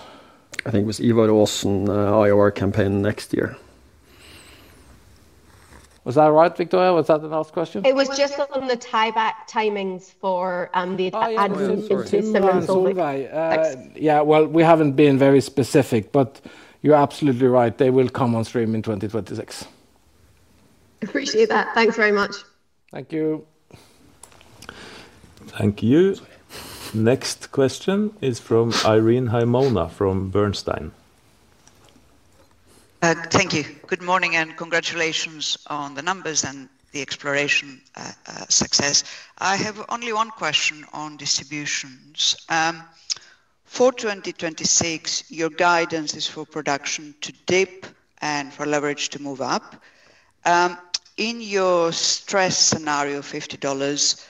I think it was Evert Olsen IOR campaign next year. Was that right, Victoria? Was that the last question? It was just on the tieback timings for the adding into Skarv's oil. Yeah, we haven't been very specific, but you're absolutely right. They will come on stream in 2026. Appreciate that. Thanks very much. Thank you. Thank you. Next question is from Irene Himona from Bernstein. Thank you. Good morning and congratulations on the numbers and the exploration success. I have only one question on distributions. For 2026, your guidance is for production to dip and for leverage to move up. In your stress scenario, $50,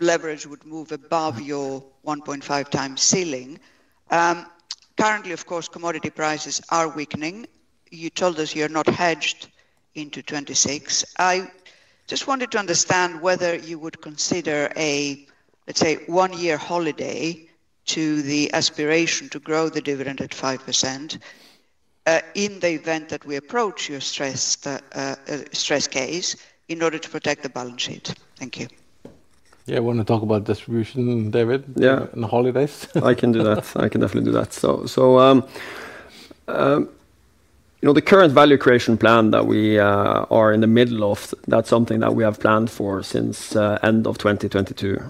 leverage would move above your 1.5x ceiling. Currently, of course, commodity prices are weakening. You told us you're not hedged into 2026. I just wanted to understand whether you would consider a, let's say, one-year holiday to the aspiration to grow the dividend at 5% in the event that we approach your stress case in order to protect the balance sheet. Thank you. Yeah, I want to talk about distribution, David, and holidays. I can do that. I can definitely do that. The current value creation plan that we are in the middle of, that's something that we have planned for since the end of 2022.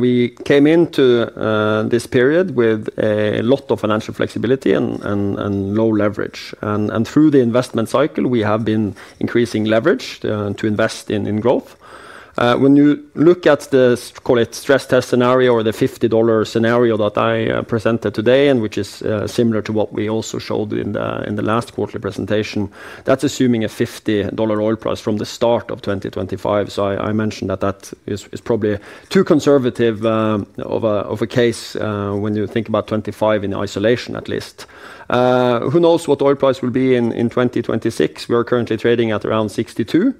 We came into this period with a lot of financial flexibility and low leverage. Through the investment cycle, we have been increasing leverage to invest in growth. When you look at the, call it, stress test scenario or the $50 scenario that I presented today, which is similar to what we also showed in the last quarterly presentation, that's assuming a $50 oil price from the start of 2025. I mentioned that that is probably too conservative of a case when you think about 2025 in isolation at least. Who knows what oil price will be in 2026? We're currently trading at around $62.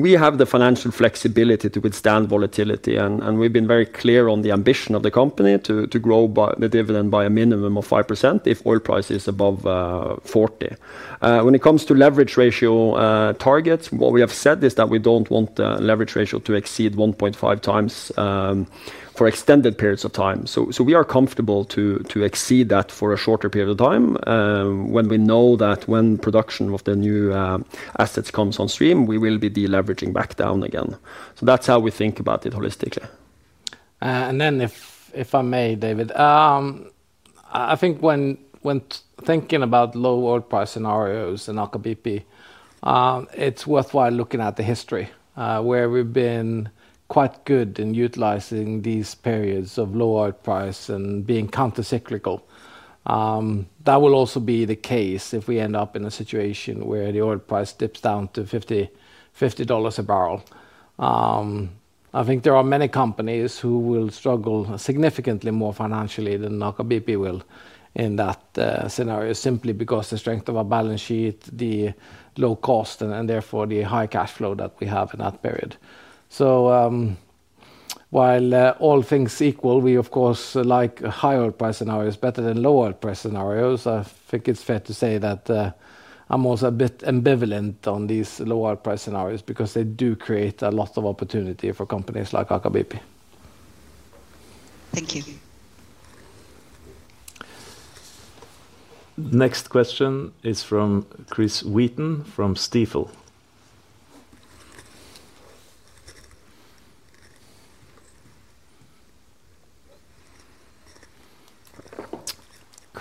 We have the financial flexibility to withstand volatility, and we've been very clear on the ambition of the company to grow the dividend by a minimum of 5% if oil price is above $40. When it comes to leverage ratio targets, what we have said is that we don't want the leverage ratio to exceed 1.5x for extended periods of time. We are comfortable to exceed that for a shorter period of time when we know that when production of the new assets comes on stream, we will be deleveraging back down again. That's how we think about it holistically. If I may, David, I think when thinking about low oil price scenarios in Aker BP, it's worthwhile looking at the history where we've been quite good in utilizing these periods of low oil price and being countercyclical. That will also be the case if we end up in a situation where the oil price dips down to $50 a barrel. I think there are many companies who will struggle significantly more financially than Aker BP will in that scenario simply because of the strength of our balance sheet, the low cost, and therefore the high cash flow that we have in that period. While all things equal, we, of course, like high oil price scenarios better than low oil price scenarios. I think it's fair to say that I'm also a bit ambivalent on these low oil price scenarios because they do create a lot of opportunity for companies like Aker BP. Thank you. Next question is from Chris Wheaton from Stifel.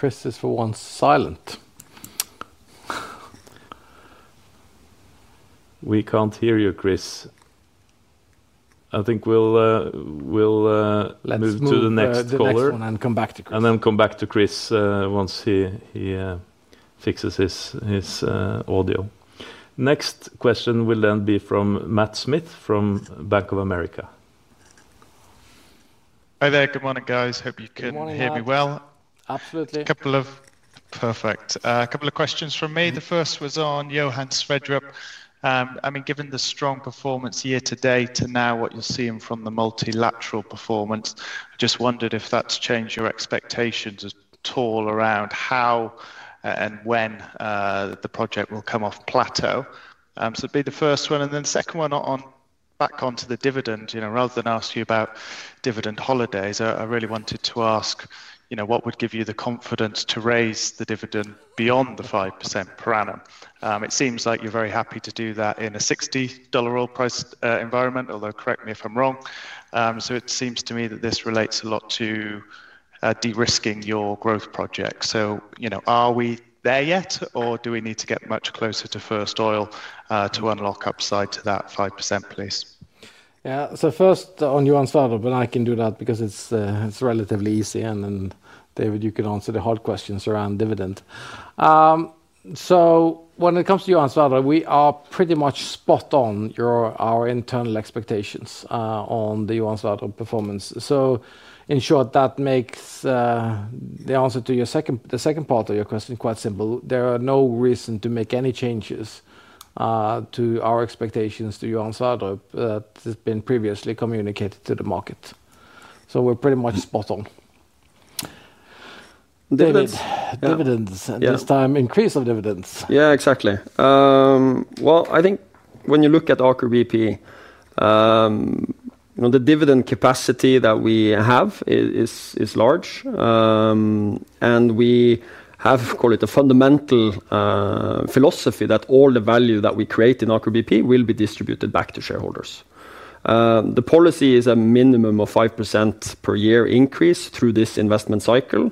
Chris is for once silent. We can't hear you, Chris. I think we'll move to the next caller. Let's move to the next one and come back to Chris once he fixes his audio. Next question will be from Matt Smith from Bank of America. Hi there, good morning guys. Hope you can hear me well. Good morning. Absolutely. A couple of questions from me. The first was on Johan Sverdrup. I mean, given the strong performance year to date and now what you're seeing from the multilateral performance, I just wondered if that's changed your expectations at all around how and when the project will come off plateau. That would be the first one. The second one, back onto the dividend. Rather than ask you about dividend holidays, I really wanted to ask, what would give you the confidence to raise the dividend beyond the 5% per annum? It seems like you're very happy to do that in a $60 oil price environment, although correct me if I'm wrong. It seems to me that this relates a lot to de-risking your growth project. Are we there yet or do we need to get much closer to first oil to unlock upside to that 5%, please? Yeah, so first on Johan Sverdrup, and I can do that because it's relatively easy. David, you can answer the hard questions around dividend. When it comes to Johan Sverdrup, we are pretty much spot on our internal expectations on the Johan Sverdrup performance. In short, that makes the answer to the second part of your question quite simple. There are no reasons to make any changes to our expectations to Johan Sverdrup that have been previously communicated to the market. We're pretty much spot on dividends, and this time increase of dividends. Exactly. I think when you look at Aker BP, the dividend capacity that we have is large, and we have, call it, a fundamental philosophy that all the value that we create in Aker BP will be distributed back to shareholders. The policy is a minimum of 5% per year increase through this investment cycle.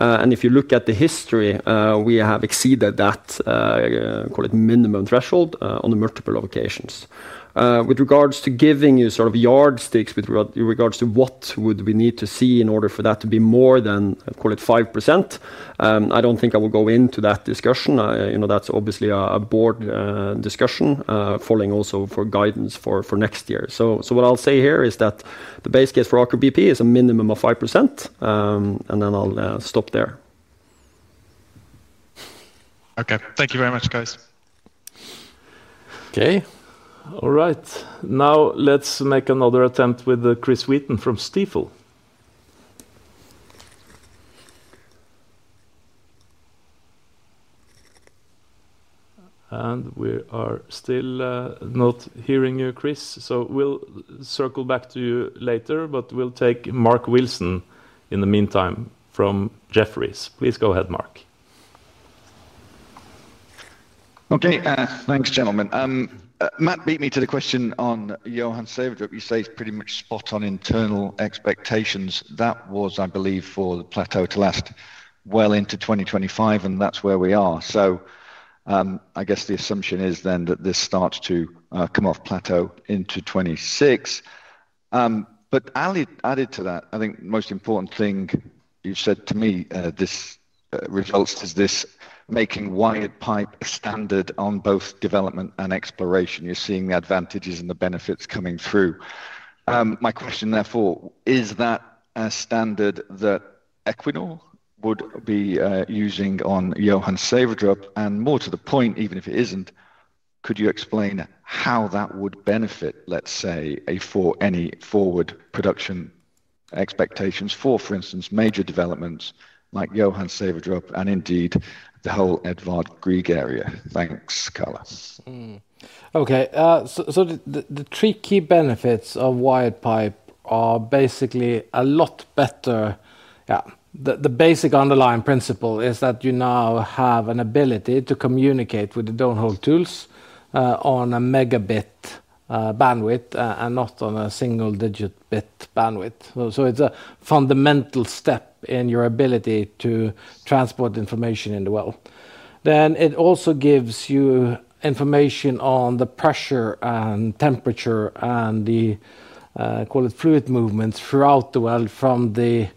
If you look at the history, we have exceeded that, call it, minimum threshold on a multiple of occasions. With regards to giving you sort of yardsticks with regards to what would we need to see in order for that to be more than, call it, 5%, I don't think I will go into that discussion. That's obviously a board discussion falling also for guidance for next year. What I'll say here is that the base case for Aker BP is a minimum of 5%, and then I'll stop there. Okay, thank you very much, guys. Okay, all right. Now let's make another attempt with Chris Wheaton from Stifel. We are still not hearing you, Chris. We'll circle back to you later, but we'll take Mark Wilson in the meantime from Jefferies. Please go ahead, Mark. Okay, thanks, gentlemen. Matt beat me to the question on Johan Sverdrup. You say it's pretty much spot on internal expectations. That was, I believe, for the plateau to last well into 2025, and that's where we are. I guess the assumption is then that this starts to come off plateau into 2026. Added to that, I think the most important thing you've said to me in this results is this making wired pipe a standard on both development and exploration. You're seeing the advantages and the benefits coming through. My question therefore, is that a standard that Equinor would be using on Johan Sverdrup? More to the point, even if it isn't, could you explain how that would benefit, let's say, any forward production expectations for, for instance, major developments like Johan Sverdrup and indeed the whole Edvard Grieg area? Thanks, guys. Okay, so the three key benefits of wired pipe are basically a lot better. The basic underlying principle is that you now have an ability to communicate with the downhole tools on a megabit bandwidth and not on a single-digit bit bandwidth. It's a fundamental step in your ability to transport information in the well. It also gives you information on the pressure and temperature and the, call it, fluid movements throughout the well from the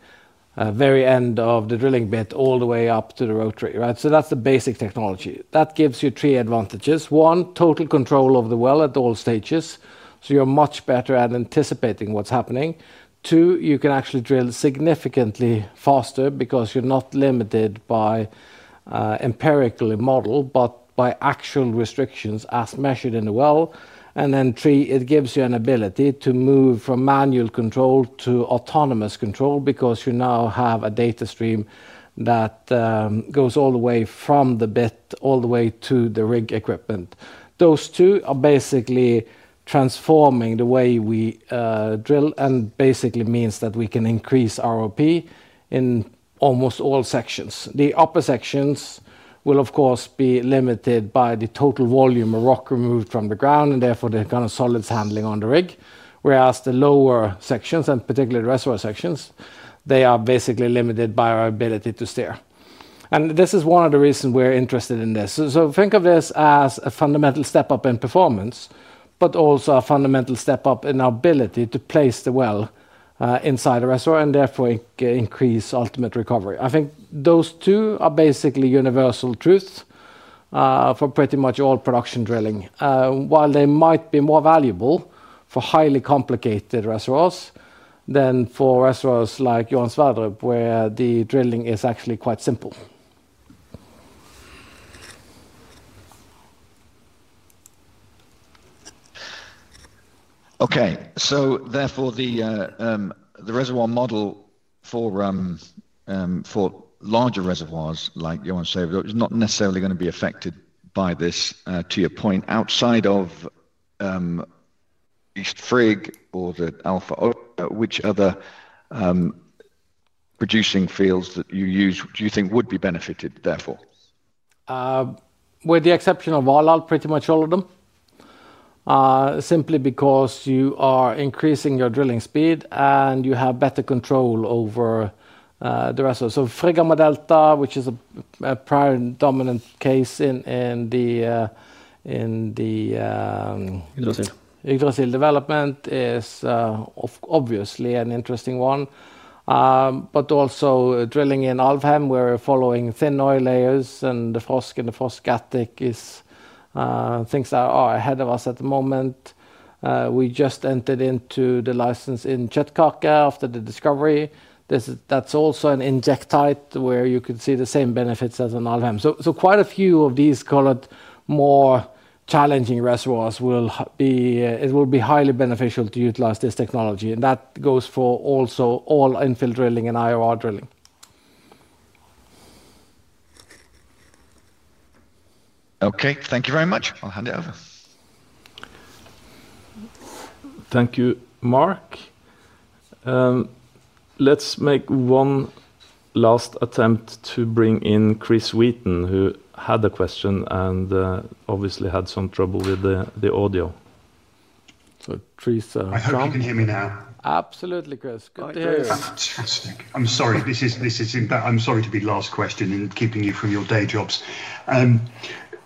very end of the drilling bit all the way up to the rotary, right? That's the basic technology. That gives you three advantages. One, total control of the well at all stages, so you're much better at anticipating what's happening. Two, you can actually drill significantly faster because you're not limited by empirically modeled but by actual restrictions as measured in the well. Three, it gives you an ability to move from manual control to autonomous control because you now have a data stream that goes all the way from the bit all the way to the rig equipment. Those two are basically transforming the way we drill and basically means that we can increase ROP in almost all sections. The upper sections will, of course, be limited by the total volume of rock removed from the ground and therefore the kind of solids handling on the rig, whereas the lower sections, and particularly the reservoir sections, they are basically limited by our ability to steer. This is one of the reasons we're interested in this. Think of this as a fundamental step up in performance but also a fundamental step up in our ability to place the well inside the reservoir and therefore increase ultimate recovery. I think those two are basically universal truths for pretty much all production drilling, while they might be more valuable for highly complicated reservoirs than for reservoirs like Johan Sverdrup where the drilling is actually quite simple. Okay, therefore, the reservoir model for larger reservoirs like Johan Sverdrup is not necessarily going to be affected by this, to your point, outside of Gryggåsen or the Alfheim. Which other producing fields that you use do you think would be benefited therefore? With the exception of Valhall, pretty much all of them, simply because you are increasing your drilling speed and you have better control over the reservoir. Frigg Gamma Delta, which is a prior and dominant case in the Yggdrasil development, is obviously an interesting one. Also, drilling in Alfheim, where we're following thin oil layers and the frost in the Frost Gaddic, is things that are ahead of us at the moment. We just entered into the license in Kjøttkake after the discovery. That's also an injectite where you could see the same benefits as in Alfheim. Quite a few of these, call it, more challenging reservoirs will be, it will be highly beneficial to utilize this technology. That goes for also all infill drilling and IOR drilling. Okay, thank you very much. I'll hand it over. Thank you, Mark. Let's make one last attempt to bring in Chris Wheaton, who had a question and obviously had some trouble with the audio. I hope you can hear me now. Absolutely, Chris. Good to hear you. I'm sorry to be the last question and keeping you from your day jobs.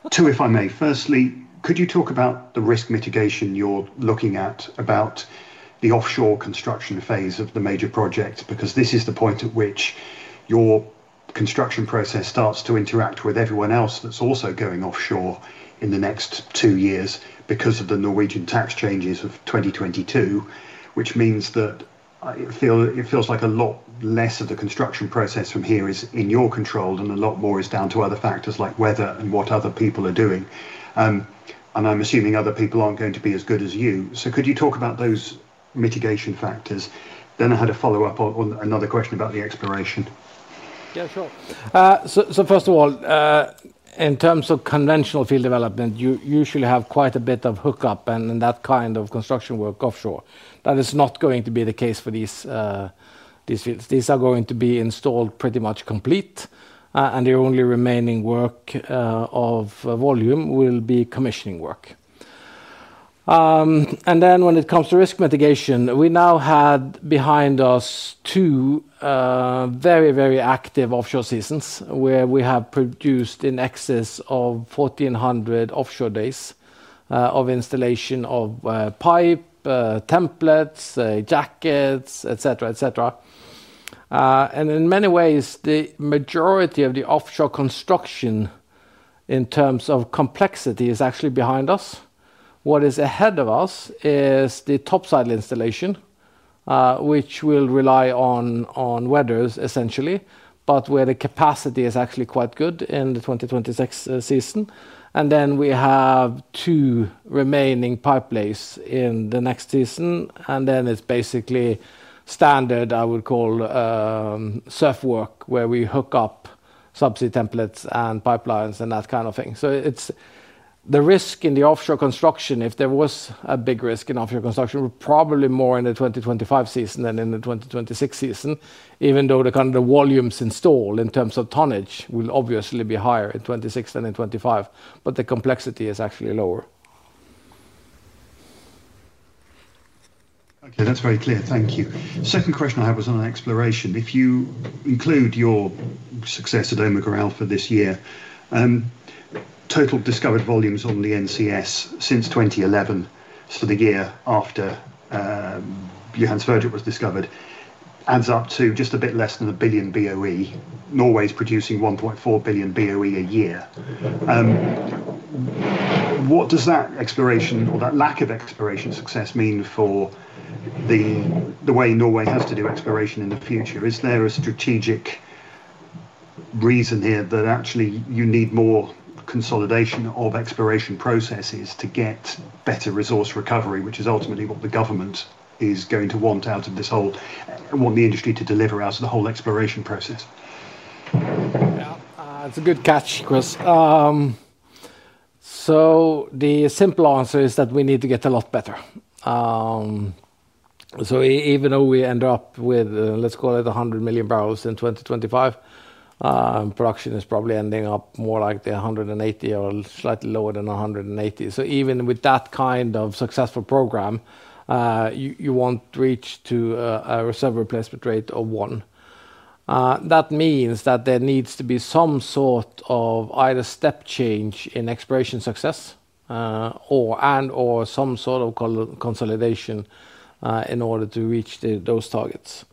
Two, if I may. Firstly, could you talk about the risk mitigation you're looking at about the offshore construction phase of the major project? This is the point at which your construction process starts to interact with everyone else that's also going offshore in the next two years because of the Norwegian tax changes of 2022, which means that it feels like a lot less of the construction process from here is in your control and a lot more is down to other factors like weather and what other people are doing. I'm assuming other people aren't going to be as good as you. Could you talk about those mitigation factors? I had a follow-up on another question about the exploration. Yeah, sure. First of all, in terms of conventional field development, you usually have quite a bit of hookup and that kind of construction work offshore. That is not going to be the case for these fields. These are going to be installed pretty much complete, and the only remaining work of volume will be commissioning work. When it comes to risk mitigation, we now had behind us two very, very active offshore seasons where we have produced in excess of 1,400 offshore days of installation of pipe, templates, jackets, etc., etc. In many ways, the majority of the offshore construction in terms of complexity is actually behind us. What is ahead of us is the topside installation, which will rely on weather, essentially, but where the capacity is actually quite good in the 2026 season. We have two remaining pipe lays in the next season, and then it's basically standard, I would call, surf work where we hook up subsea templates and pipelines and that kind of thing. The risk in the offshore construction, if there was a big risk in offshore construction, is probably more in the 2025 season than in the 2026 season, even though the volumes installed in terms of tonnage will obviously be higher in 2026 than in 2025. The complexity is actually lower. Okay, that's very clear. Thank you. The second question I have is on exploration. If you include your success at Omega Alfa this year, total discovered volumes on the NCS since 2011, so the year after Johan Sverdrup was discovered, adds up to just a bit less than a billion BOE. Norway is producing 1.4 billion BOE a year. What does that exploration or that lack of exploration success mean for the way Norway has to do exploration in the future? Is there a strategic reason here that actually you need more consolidation of exploration processes to get better resource recovery, which is ultimately what the government is going to want out of this whole, want the industry to deliver out of the whole exploration process? That's a good catch, Chris. The simple answer is that we need to get a lot better. Even though we end up with, let's call it 100 million bbls in 2025, production is probably ending up more like the 180 million bbls or slightly lower than 180 million bbls. Even with that kind of successful program, you want to reach a reserve replacement rate of one. That means there needs to be some sort of either step change in exploration success and/or some sort of consolidation in order to reach those targets.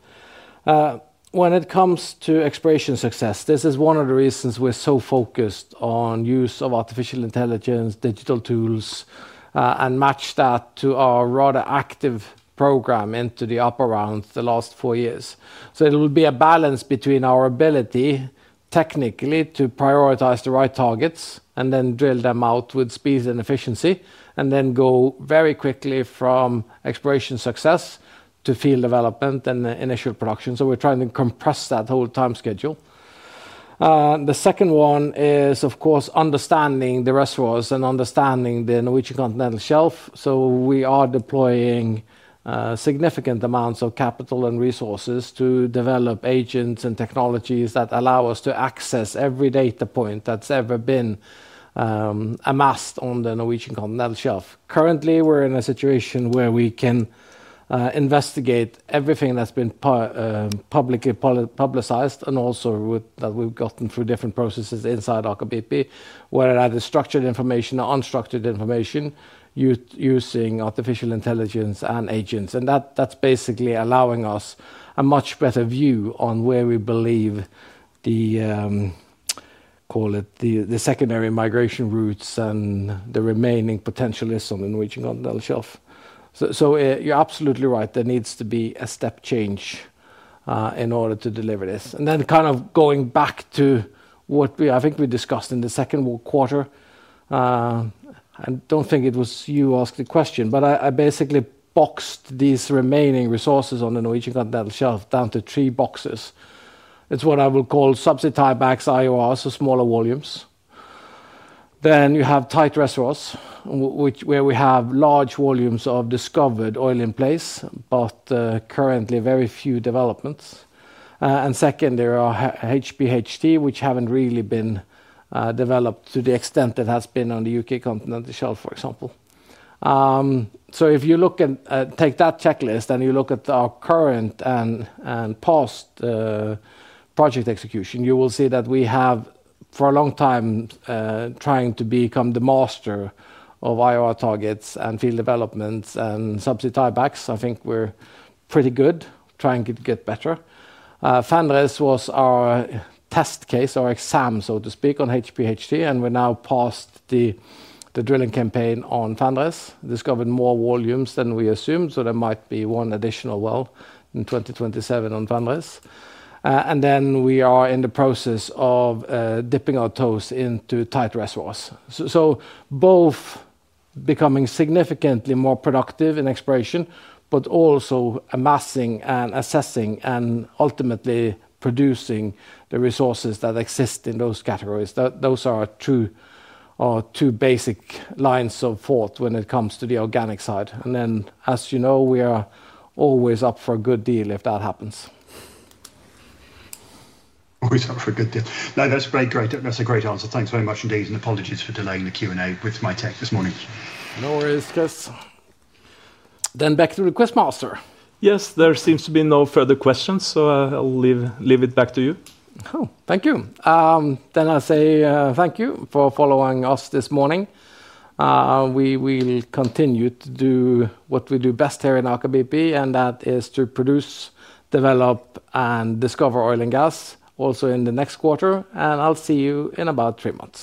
When it comes to exploration success, this is one of the reasons we're so focused on the use of artificial intelligence, digital tools, and matching that to our rather active program into the upper rounds the last four years. It will be a balance between our ability technically to prioritize the right targets and then drill them out with speed and efficiency, and then go very quickly from exploration success to field development and initial production. We're trying to compress that whole time schedule. The second one is, of course, understanding the reservoirs and understanding the Norwegian Continental Shelf. We are deploying significant amounts of capital and resources to develop agents and technologies that allow us to access every data point that's ever been amassed on the Norwegian Continental Shelf. Currently, we're in a situation where we can investigate everything that's been publicly publicized and also that we've gotten through different processes inside Aker BP, whether that is structured information or unstructured information, using artificial intelligence and agents. That's basically allowing us a much better view on where we believe the secondary migration routes and the remaining potential is on the Norwegian Continental Shelf. You're absolutely right. There needs to be a step change in order to deliver this. Going back to what I think we discussed in the second quarter, I don't think it was you who asked the question, but I basically boxed these remaining resources on the Norwegian Continental Shelf down to three boxes. It's what I will call subsidy backs, IORs, so smaller volumes. Then you have tight reservoirs, where we have large volumes of discovered oil in place, but currently very few developments. Second, there are HBHT, which haven't really been developed to the extent that has been on the U.K. Continental Shelf, for example. If you look at, take that checklist and you look at our current and past project execution, you will see that we have, for a long time, tried to become the master of IOR targets and field developments and subsea tiebacks. I think we're pretty good, trying to get better. Fenris was our test case, our exam, so to speak, on HPHT, and we're now past the drilling campaign on Fenris, discovered more volumes than we assumed, so there might be one additional well in 2027 on Fenris. We are in the process of dipping our toes into tight reservoirs, both becoming significantly more productive in exploration, but also amassing and assessing and ultimately producing the resources that exist in those categories. Those are our two basic lines of thought when it comes to the organic side. As you know, we are always up for a good deal if that happens. Always up for a good deal. No, that's great. That's a great answer. Thanks very much indeed, and apologies for delaying the Q&A with my tech this morning. No worries, Chris. Back to the questions. Yes, there seems to be no further questions, so I'll leave it back to you. Thank you for following us this morning. We will continue to do what we do best here in Aker BP, and that is to produce, develop, and discover oil and gas also in the next quarter. I'll see you in about three months.